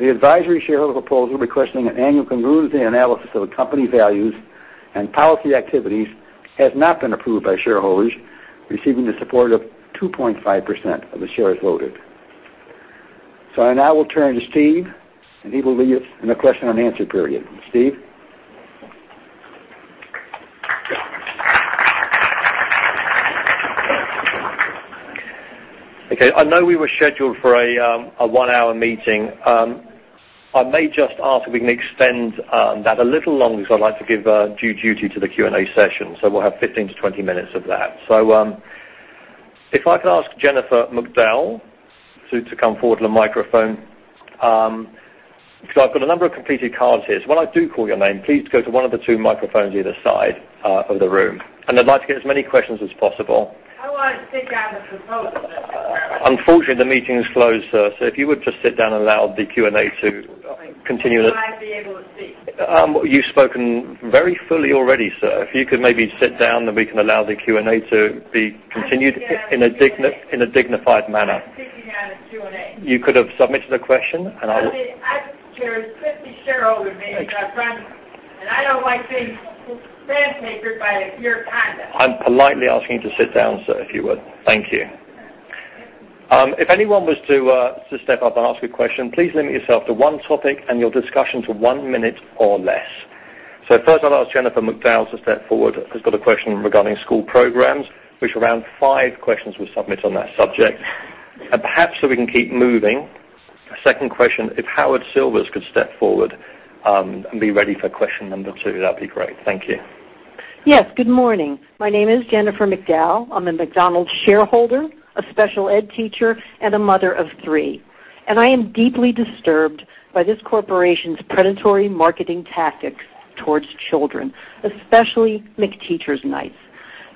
The advisory shareholder proposal requesting an annual congruency analysis of the company values and policy activities has not been approved by shareholders, receiving the support of 2.5% of the shares voted. I now will turn to Steve, and he will lead us in the question and answer period. Steve? Okay. I know we were scheduled for a one-hour meeting. I may just ask if we can extend that a little longer because I'd like to give due duty to the Q&A session. We'll have 15-20 minutes of that. If I could ask Jennifer McDowell to come forward to the microphone, because I've got a number of completed cards here. When I do call your name, please go to one of the two microphones either side of the room, and I'd like to get as many questions as possible. How do I take out a proposal that- Unfortunately, the meeting's closed, sir. If you would just sit down and allow the Q&A to continue. How will I be able to speak? You've spoken very fully already, sir. If you could maybe sit down, we can allow the Q&A to be continued- I didn't get. In a dignified manner. I'm speaking at a Q&A. You could have submitted a question, and I would. There are 50 shareholders maybe that run, I don't like being fence-making by your conduct. I'm politely asking you to sit down, sir, if you would. Thank you. If anyone was to step up and ask a question, please limit yourself to one topic and your discussion to one minute or less. First I'll ask Jennifer McDowell to step forward, who's got a question regarding school programs, which around five questions were submitted on that subject. Perhaps so we can keep moving, second question, if Howard Silvers could step forward and be ready for question number two, that'd be great. Thank you. Yes, good morning. My name is Jennifer McDowell. I'm a McDonald's shareholder, a special ed teacher, and a mother of three, I am deeply disturbed by this corporation's predatory marketing tactics towards children, especially McTeacher's Nights.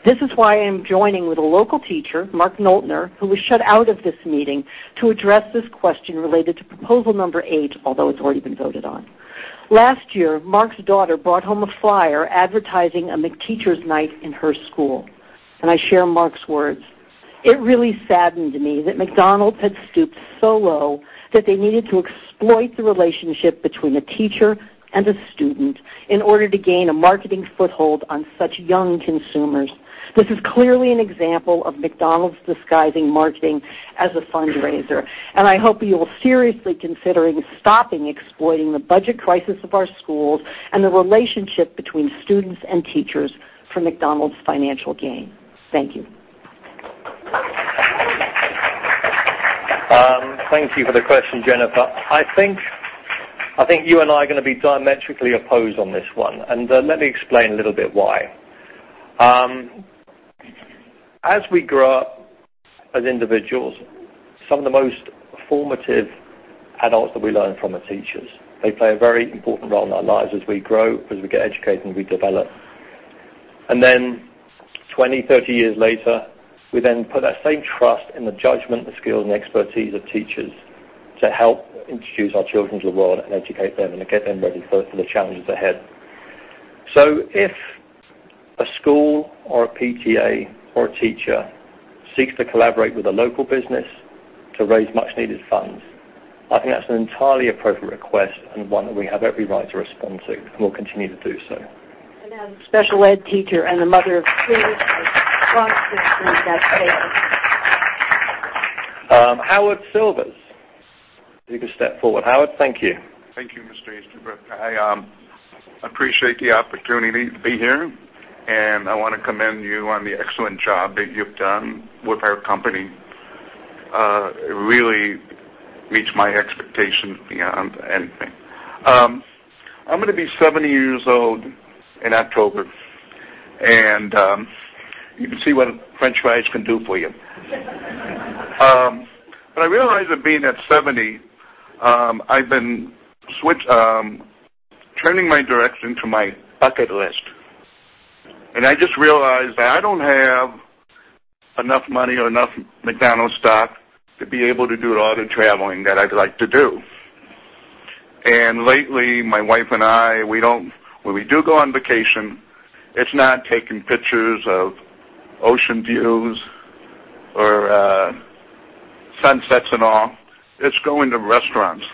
This is why I'm joining with a local teacher, Mark Noltner, who was shut out of this meeting to address this question related to proposal number eight, although it's already been voted on. Last year, Mark's daughter brought home a flyer advertising a McTeacher's Night in her school, I share Mark's words. It really saddened me that McDonald's had stooped so low that they needed to exploit the relationship between a teacher and a student in order to gain a marketing foothold on such young consumers. This is clearly an example of McDonald's disguising marketing as a fundraiser, I hope you will seriously consider stopping exploiting the budget crisis of our schools and the relationship between students and teachers for McDonald's financial gain. Thank you. Thank you for the question, Jennifer. I think you and I are going to be diametrically opposed on this one. Let me explain a little bit why. As we grow up as individuals, some of the most formative adults that we learn from are teachers. They play a very important role in our lives as we grow, as we get educated, and we develop. Then 20, 30 years later, we then put that same trust in the judgment, the skills, and expertise of teachers to help introduce our children to the world and educate them and to get them ready for the challenges ahead. If a school or a PTA or a teacher seeks to collaborate with a local business to raise much needed funds, I think that's an entirely appropriate request, one that we have every right to respond to, and we'll continue to do so. As a special ed teacher and a mother of three. Howard Silvers, if you could step forward. Howard, thank you. Thank you, Mr. Easterbrook. I appreciate the opportunity to be here, and I want to commend you on the excellent job that you've done with our company. It really meets my expectations beyond anything. I'm going to be 70 years old in October, and you can see what French fries can do for you. I realize that being at 70, I've been turning my direction to my bucket list, and I just realized that I don't have enough money or enough McDonald's stock to be able to do a lot of traveling that I'd like to do. Lately, my wife and I, when we do go on vacation, it's not taking pictures of ocean views or sunsets and all. It's going to restaurants.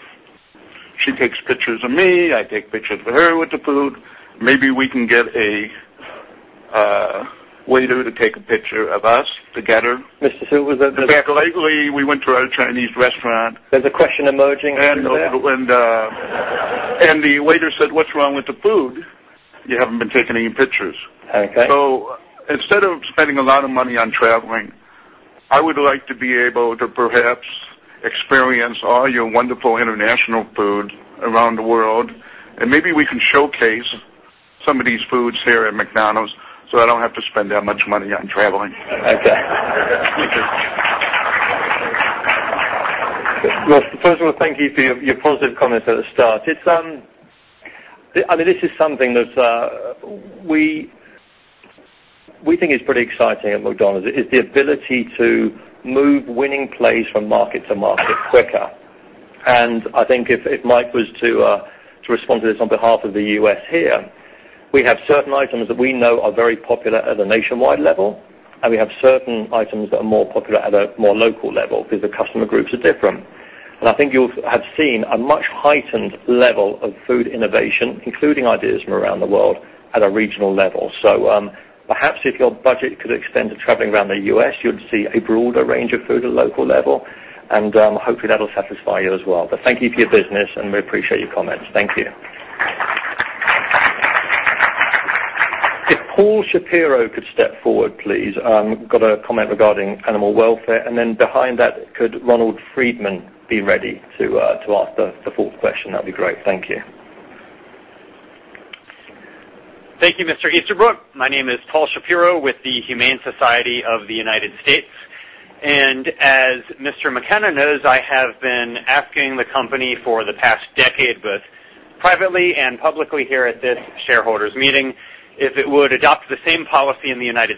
She takes pictures of me. I take pictures of her with the food. Maybe we can get a waiter to take a picture of us together. Mr. Silvers- In fact, lately, we went to a Chinese restaurant. There's a question emerging through there. The waiter said, "What's wrong with the food? You haven't been taking any pictures. Okay. Instead of spending a lot of money on traveling, I would like to be able to perhaps experience all your wonderful international food around the world, and maybe we can showcase some of these foods here at McDonald's, so I don't have to spend that much money on traveling. Okay. First of all, thank you for your positive comments at the start. This is something that we think is pretty exciting at McDonald's, is the ability to move winning plays from market to market quicker. I think if Mike was to respond to this on behalf of the U.S. here, we have certain items that we know are very popular at a nationwide level, and we have certain items that are more popular at a more local level because the customer groups are different. I think you'll have seen a much heightened level of food innovation, including ideas from around the world, at a regional level. Perhaps if your budget could extend to traveling around the U.S., you'd see a broader range of food at local level, and hopefully, that'll satisfy you as well. Thank you for your business, and we appreciate your comments. Thank you. If Paul Shapiro could step forward, please. Got a comment regarding animal welfare. Behind that, could Ronald Friedman be ready to ask the fourth question? That'd be great. Thank you. Thank you, Mr. Easterbrook. My name is Paul Shapiro with The Humane Society of the United States. As Mr. McKenna knows, I have been asking the company for the past decade, both privately and publicly here at this shareholders' meeting, if it would adopt the same policy in the U.S.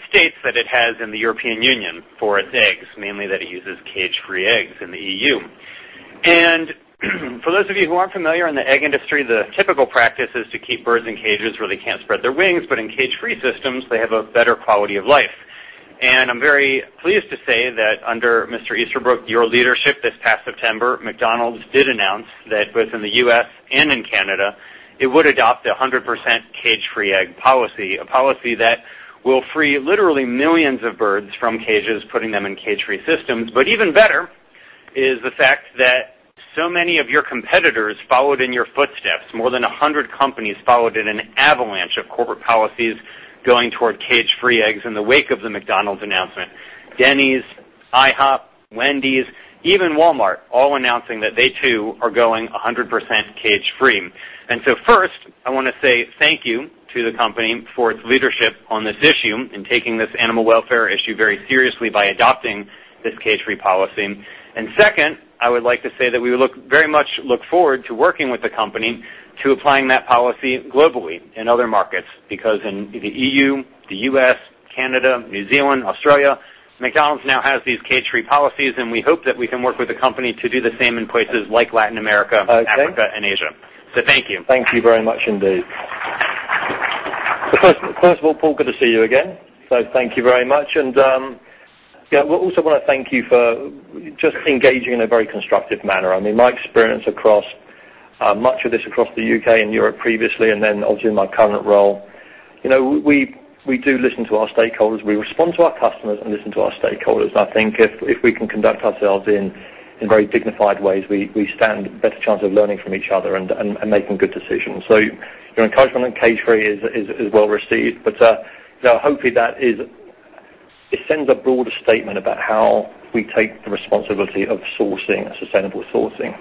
that it has in the European Union for its eggs, mainly that it uses cage-free eggs in the EU. For those of you who aren't familiar, in the egg industry, the typical practice is to keep birds in cages where they can't spread their wings. In cage-free systems, they have a better quality of life. I'm very pleased to say that under Mr. Easterbrook, your leadership this past September, McDonald's did announce that both in the U.S. and in Canada, it would adopt a 100% cage-free egg policy, a policy that will free literally millions of birds from cages, putting them in cage-free systems. Even better is the fact that so many of your competitors followed in your footsteps. More than 100 companies followed in an avalanche of corporate policies going toward cage-free eggs in the wake of the McDonald's announcement. Denny's, IHOP, Wendy's, even Walmart, all announcing that they, too, are going 100% cage-free. First, I want to say thank you to the company for its leadership on this issue in taking this animal welfare issue very seriously by adopting this cage-free policy. Second, I would like to say that we very much look forward to working with the company to applying that policy globally in other markets, because in the EU, the U.S., Canada, New Zealand, Australia, McDonald's now has these cage-free policies, and we hope that we can work with the company to do the same in places like Latin America- Okay Africa and Asia. Thank you. Thank you very much indeed. First of all, Paul, good to see you again. Thank you very much. Yeah, we also want to thank you for just engaging in a very constructive manner. My experience across much of this across the U.K. and Europe previously, and then obviously in my current role, we do listen to our stakeholders. We respond to our customers and listen to our stakeholders, and I think if we can conduct ourselves in very dignified ways, we stand a better chance of learning from each other and making good decisions. Encouragement on cage-free is well received. Hopefully that sends a broader statement about how we take the responsibility of sourcing and sustainable sourcing.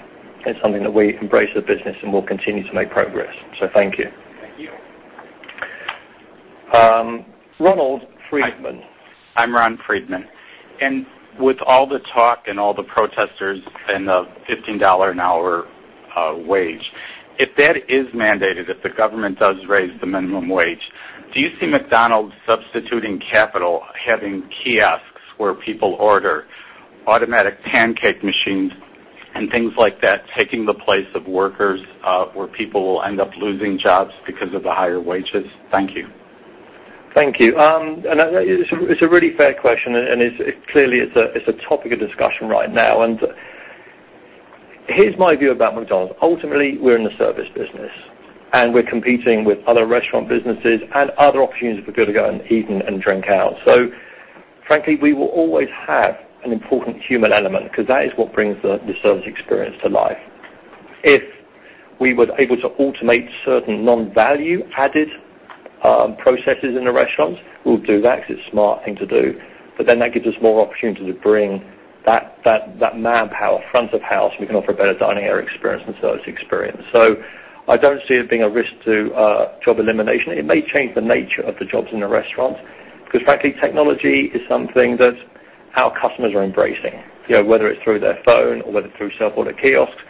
It's something that we embrace as a business and will continue to make progress. Thank you. Thank you. Ronald Friedman. I'm Ron Friedman. With all the talk and all the protesters and the $15 an hour wage, if that is mandated, if the government does raise the minimum wage, do you see McDonald's substituting capital, having kiosks where people order, automatic pancake machines, and things like that taking the place of workers, where people will end up losing jobs because of the higher wages? Thank you. Thank you. That is a really fair question, and clearly it's a topic of discussion right now. Here's my view about McDonald's. Ultimately, we're in the service business, and we're competing with other restaurant businesses and other opportunities for people to go and eat and drink out. Frankly, we will always have an important human element because that is what brings the service experience to life. If we were able to automate certain non-value-added processes in the restaurants, we'll do that because it's a smart thing to do. That gives us more opportunity to bring that manpower front of house, and we can offer a better dining area experience and service experience. I don't see it being a risk to job elimination. It may change the nature of the jobs in the restaurant because, frankly, technology is something that our customers are embracing. Whether it's through their phone or whether through self-order kiosks,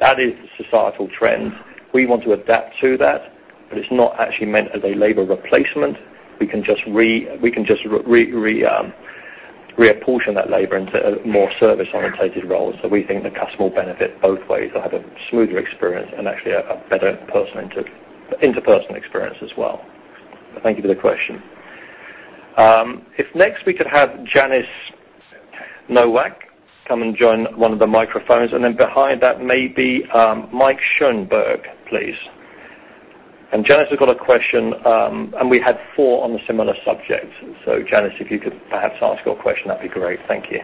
that is the societal trend. We want to adapt to that, but it's not actually meant as a labor replacement. We can just reapportion that labor into more service-orientated roles. We think the customer will benefit both ways. They'll have a smoother experience and actually a better interpersonal experience as well. Thank you for the question. If next we could have Janice Nowak come and join one of the microphones, and then behind that, maybe Mike Schoenberg, please. Janice has got a question, and we had four on a similar subject. Janice, if you could perhaps ask your question, that'd be great. Thank you.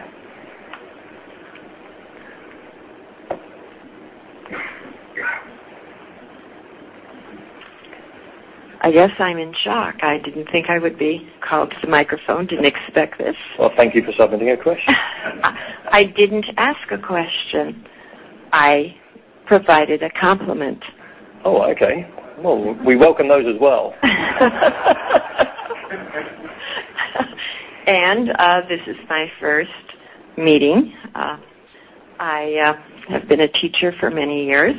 I guess I'm in shock. I didn't think I would be called to the microphone. Didn't expect this. Well, thank you for submitting a question. I didn't ask a question. I provided a compliment. Oh, okay. Well, we welcome those as well. This is my first meeting. I have been a teacher for many years,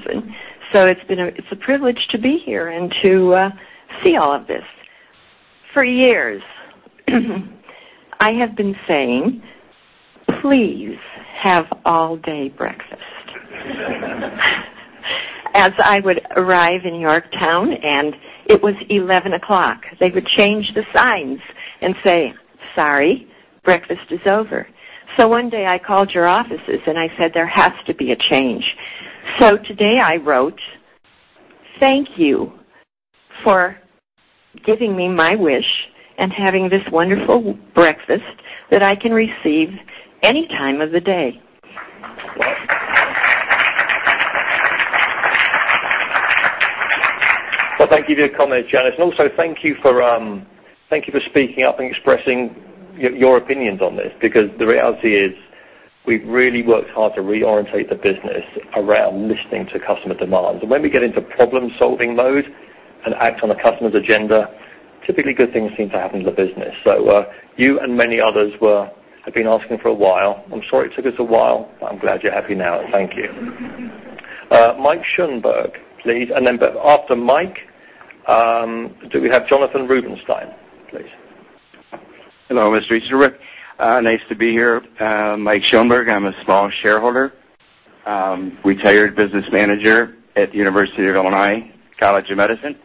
it's a privilege to be here and to see all of this. For years I have been saying, "Please have all-day breakfast." As I would arrive in Yorktown, it was 11 o'clock. They would change the signs and say, "Sorry, breakfast is over." One day, I called your offices, and I said, "There has to be a change." Today I wrote thank you for giving me my wish and having this wonderful breakfast that I can receive any time of the day. Thank you for your comment, Janice. Also, thank you for speaking up and expressing your opinions on this because the reality is we've really worked hard to reorientate the business around listening to customer demands. When we get into problem-solving mode and act on a customer's agenda, typically good things seem to happen to the business. You and many others have been asking for a while. I'm sorry it took us a while, but I'm glad you're happy now. Thank you. Mike Schoenberg, please. Then after Mike, do we have Jonathan Rubinstein, please? Hello, Mr. Easterbrook. Nice to be here. Mike Schoenberg. I'm a small shareholder, retired business manager at the University of Illinois College of Medicine.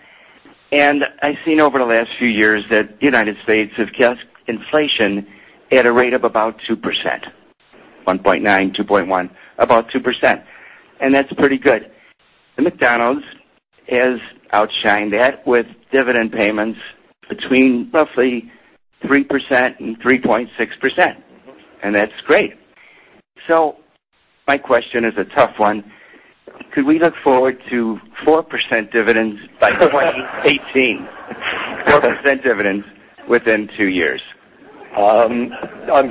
I've seen over the last few years that the U.S. has kept inflation at a rate of about 2%, 1.9, 2.1, about 2%. That's pretty good. The McDonald's has outshined that with dividend payments between roughly 3% and 3.6%, and that's great. My question is a tough one. Could we look forward to 4% dividends by 2018? 4% dividends within two years. I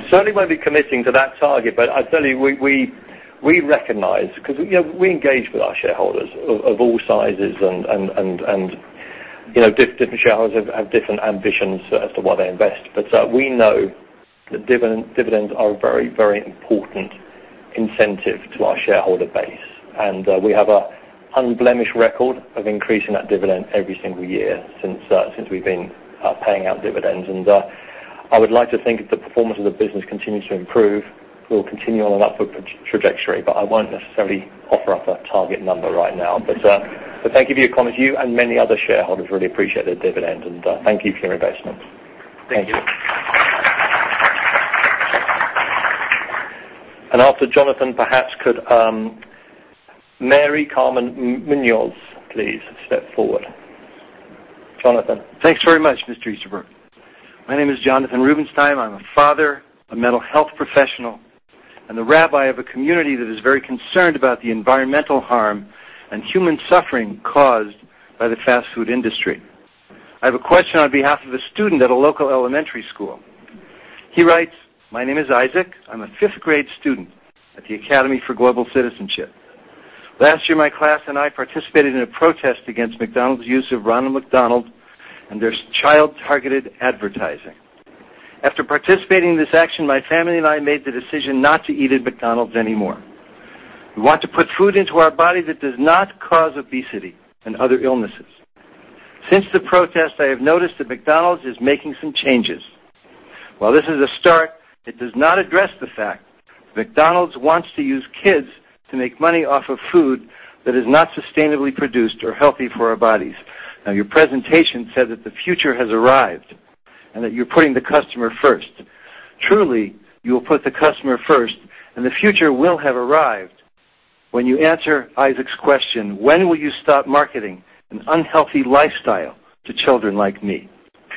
certainly won't be committing to that target, I tell you, we recognize because we engage with our shareholders of all sizes, and different shareholders have different ambitions as to why they invest. We know that dividends are a very, very important incentive to our shareholder base, and we have an unblemished record of increasing that dividend every single year since we've been paying out dividends. I would like to think if the performance of the business continues to improve, we'll continue on an upward trajectory. I won't necessarily offer up a target number right now. Thank you for your comment. You and many other shareholders really appreciate the dividend, and thank you for your investment. Thank you. After Jonathan, perhaps could Mary Carmen Munoz please step forward. Jonathan. Thanks very much, Mr. Easterbrook. My name is Jonathan Rubinstein. I'm a father, a mental health professional, and the rabbi of a community that is very concerned about the environmental harm and human suffering caused by the fast food industry. I have a question on behalf of a student at a local elementary school. He writes, "My name is Isaac. I'm a fifth grade student at the Academy for Global Citizenship. Last year, my class and I participated in a protest against McDonald's use of Ronald McDonald and their child-targeted advertising. After participating in this action, my family and I made the decision not to eat at McDonald's anymore. We want to put food into our body that does not cause obesity and other illnesses. Since the protest, I have noticed that McDonald's is making some changes. While this is a start, it does not address the fact that McDonald's wants to use kids to make money off of food that is not sustainably produced or healthy for our bodies." Your presentation said that the future has arrived and that you're putting the customer first. Truly, you'll put the customer first, and the future will have arrived when you answer Isaac's question: When will you stop marketing an unhealthy lifestyle to children like me?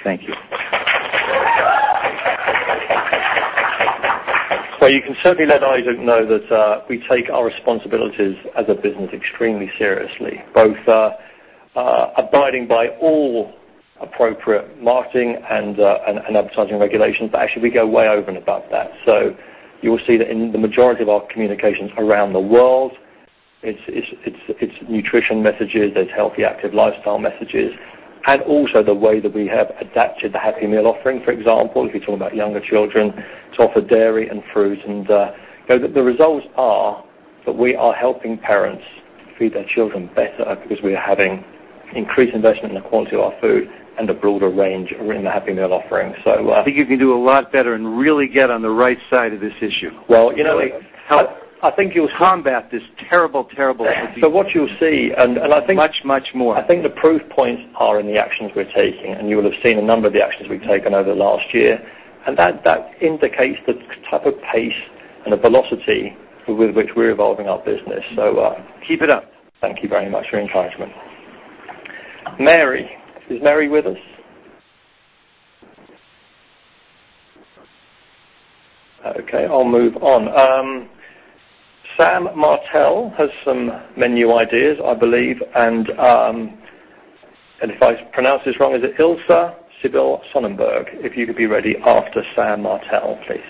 Thank you. Well, you can certainly let Isaac know that we take our responsibilities as a business extremely seriously, both abiding by all appropriate marketing and advertising regulations, but actually, we go way over and above that. You will see that in the majority of our communications around the world, it's nutrition messages, there's healthy active lifestyle messages, and also the way that we have adapted the Happy Meal offering. For example, if you're talking about younger children, to offer dairy and fruit. The results are that we are helping parents to feed their children better because we're having increased investment in the quality of our food and a broader range in the Happy Meal offering. I think you can do a lot better and really get on the right side of this issue. Well- You know, I think you'll combat this terrible. What you'll see, and I think. Much more. I think the proof points are in the actions we're taking, and you will have seen a number of the actions we've taken over the last year. That indicates the type of pace and the velocity with which we're evolving our business. Keep it up. Thank you very much for your encouragement. Mary. Is Mary with us? Okay, I'll move on. Sam Martel has some menu ideas, I believe. If I pronounce this wrong, is it Ilsa Sibyl Sonnenberg? If you could be ready after Sam Martel, please.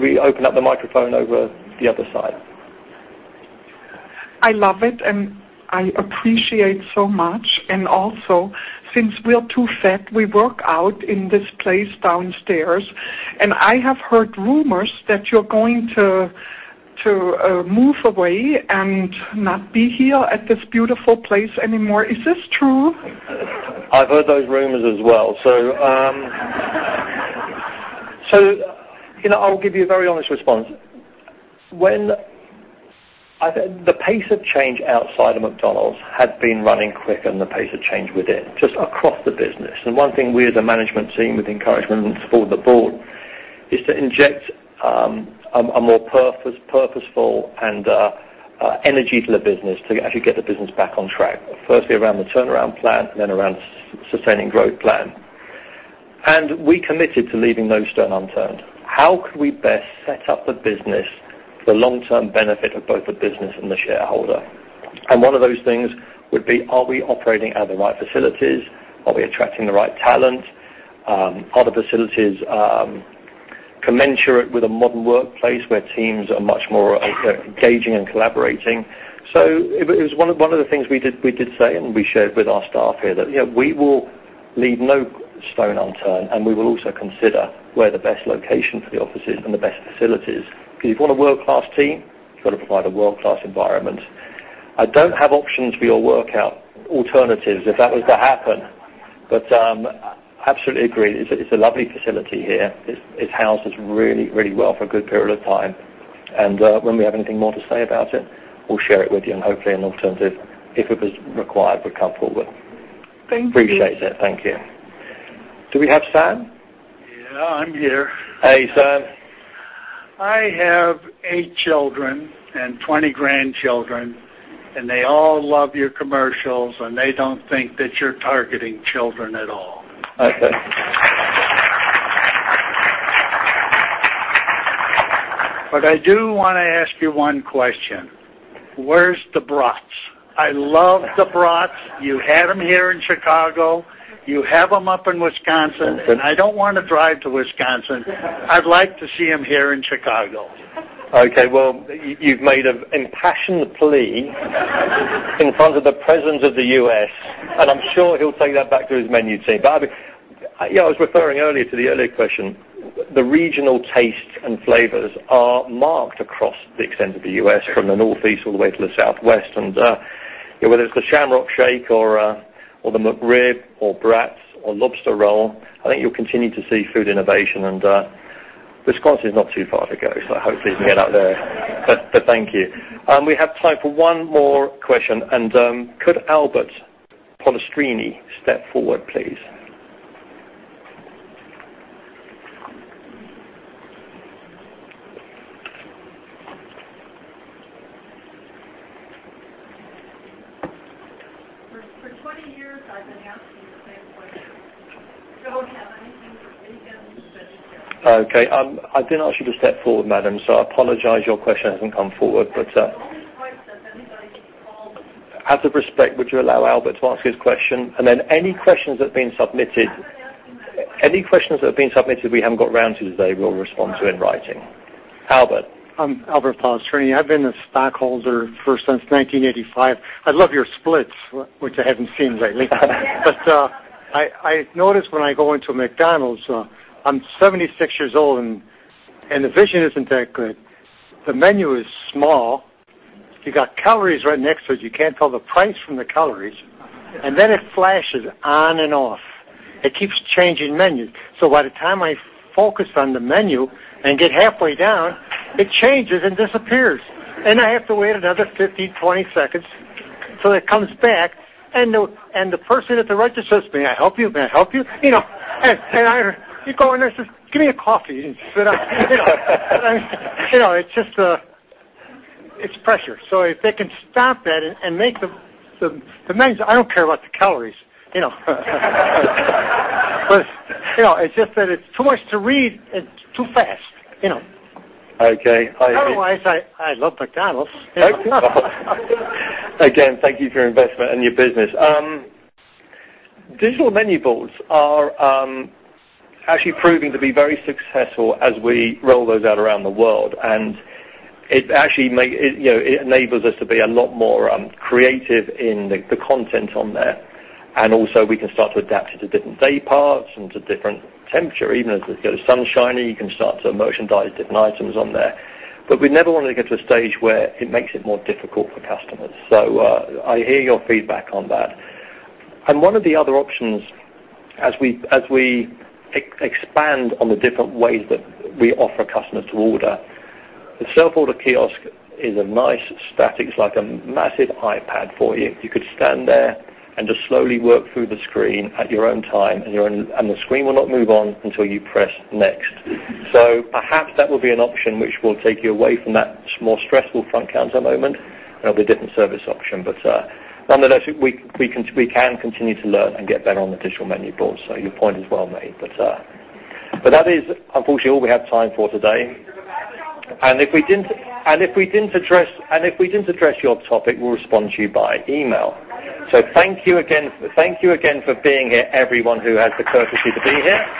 Could we open up the microphone over the other side? I love it, and I appreciate so much. Also, since we're too fat, we work out in this place downstairs, and I have heard rumors that you're going to move away and not be here at this beautiful place anymore. Is this true? I've heard those rumors as well. I'll give you a very honest response. The pace of change outside of McDonald's had been running quicker than the pace of change within, just across the business. One thing we as a management team, with encouragement and support of the board, is to inject a more purposeful and energy to the business to actually get the business back on track. Firstly, around the turnaround plan, around sustaining growth plan. We committed to leaving no stone unturned. How could we best set up the business for long-term benefit of both the business and the shareholder? One of those things would be, are we operating out of the right facilities? Are we attracting the right talent? Are the facilities commensurate with a modern workplace where teams are much more engaging and collaborating? It was one of the things we did say, and we shared with our staff here that we will leave no stone unturned, and we will also consider where the best location for the office is and the best facilities. If you want a world-class team, you've got to provide a world-class environment. I don't have options for your workout alternatives if that was to happen. Absolutely agree. It's a lovely facility here. It's housed us really, really well for a good period of time. When we have anything more to say about it, we'll share it with you and hopefully an alternative, if it was required, would come forward. Thank you. Appreciate it. Thank you. Do we have Sam? Yeah, I'm here. Hey, Sam. I have eight children and 20 grandchildren, and they all love your commercials, and they don't think that you're targeting children at all. Okay. I do want to ask you one question. Where's the brats? I love the brats. You had them here in Chicago. You have them up in Wisconsin, and I don't want to drive to Wisconsin. I'd like to see them here in Chicago. Well, you've made an impassioned plea in front of the President of the U.S., and I'm sure he'll take that back to his menu team. I was referring earlier to the earlier question. The regional tastes and flavors are marked across the extent of the U.S., from the Northeast all the way to the Southwest. Whether it's the Shamrock Shake or the McRib or Brats or Lobster Roll, I think you'll continue to see food innovation, and Wisconsin is not too far to go, so hopefully we can get out there. Thank you. We have time for one more question. Could Albert Polistrini step forward, please? For 20 years, I've been asking the same question. Don't have anything for vegan just a sandwich. Okay. I did ask you to step forward, madam, so I apologize. Your question hasn't come forward. I'm always surprised that anybody gets called. Out of respect, would you allow Albert to ask his question? I'm not asking a question Any questions that have been submitted we haven't got round to today, we'll respond to in writing. Albert. I'm Albert Polistrini. I've been a stockholder since 1985. I love your splits, which I haven't seen lately. I notice when I go into a McDonald's, I'm 76 years old, and the vision isn't that good. The menu is small. You got calories right next to it. You can't tell the price from the calories. It flashes on and off. It keeps changing menus. By the time I focus on the menu and get halfway down, it changes and disappears. I have to wait another 15, 20 seconds till it comes back. The person at the register says, "May I help you? May I help you?" I go, and I just, "Give me a coffee" and sit down. It's pressure. If they can stop that and make the menus. I don't care about the calories. It's just that it's too much to read. It's too fast. Okay. Otherwise, I love McDonald's. Again, thank you for your investment and your business. Digital menu boards are actually proving to be very successful as we roll those out around the world. It enables us to be a lot more creative in the content on there. Also, we can start to adapt it to different day parts and to different temperature. Even as the sun's shining, you can start to merchandise different items on there. We never want to get to a stage where it makes it more difficult for customers. I hear your feedback on that. One of the other options as we expand on the different ways that we offer customers to order, the self-order kiosk is a nice static. It's like a massive iPad for you. You could stand there and just slowly work through the screen at your own time, and the screen will not move on until you press Next. Perhaps that will be an option which will take you away from that more stressful front counter moment. It'll be a different service option, but one that we can continue to learn and get better on the digital menu boards. Your point is well made. That is unfortunately all we have time for today. If we didn't address your topic, we'll respond to you by email. Thank you again for being here, everyone who had the courtesy to be here.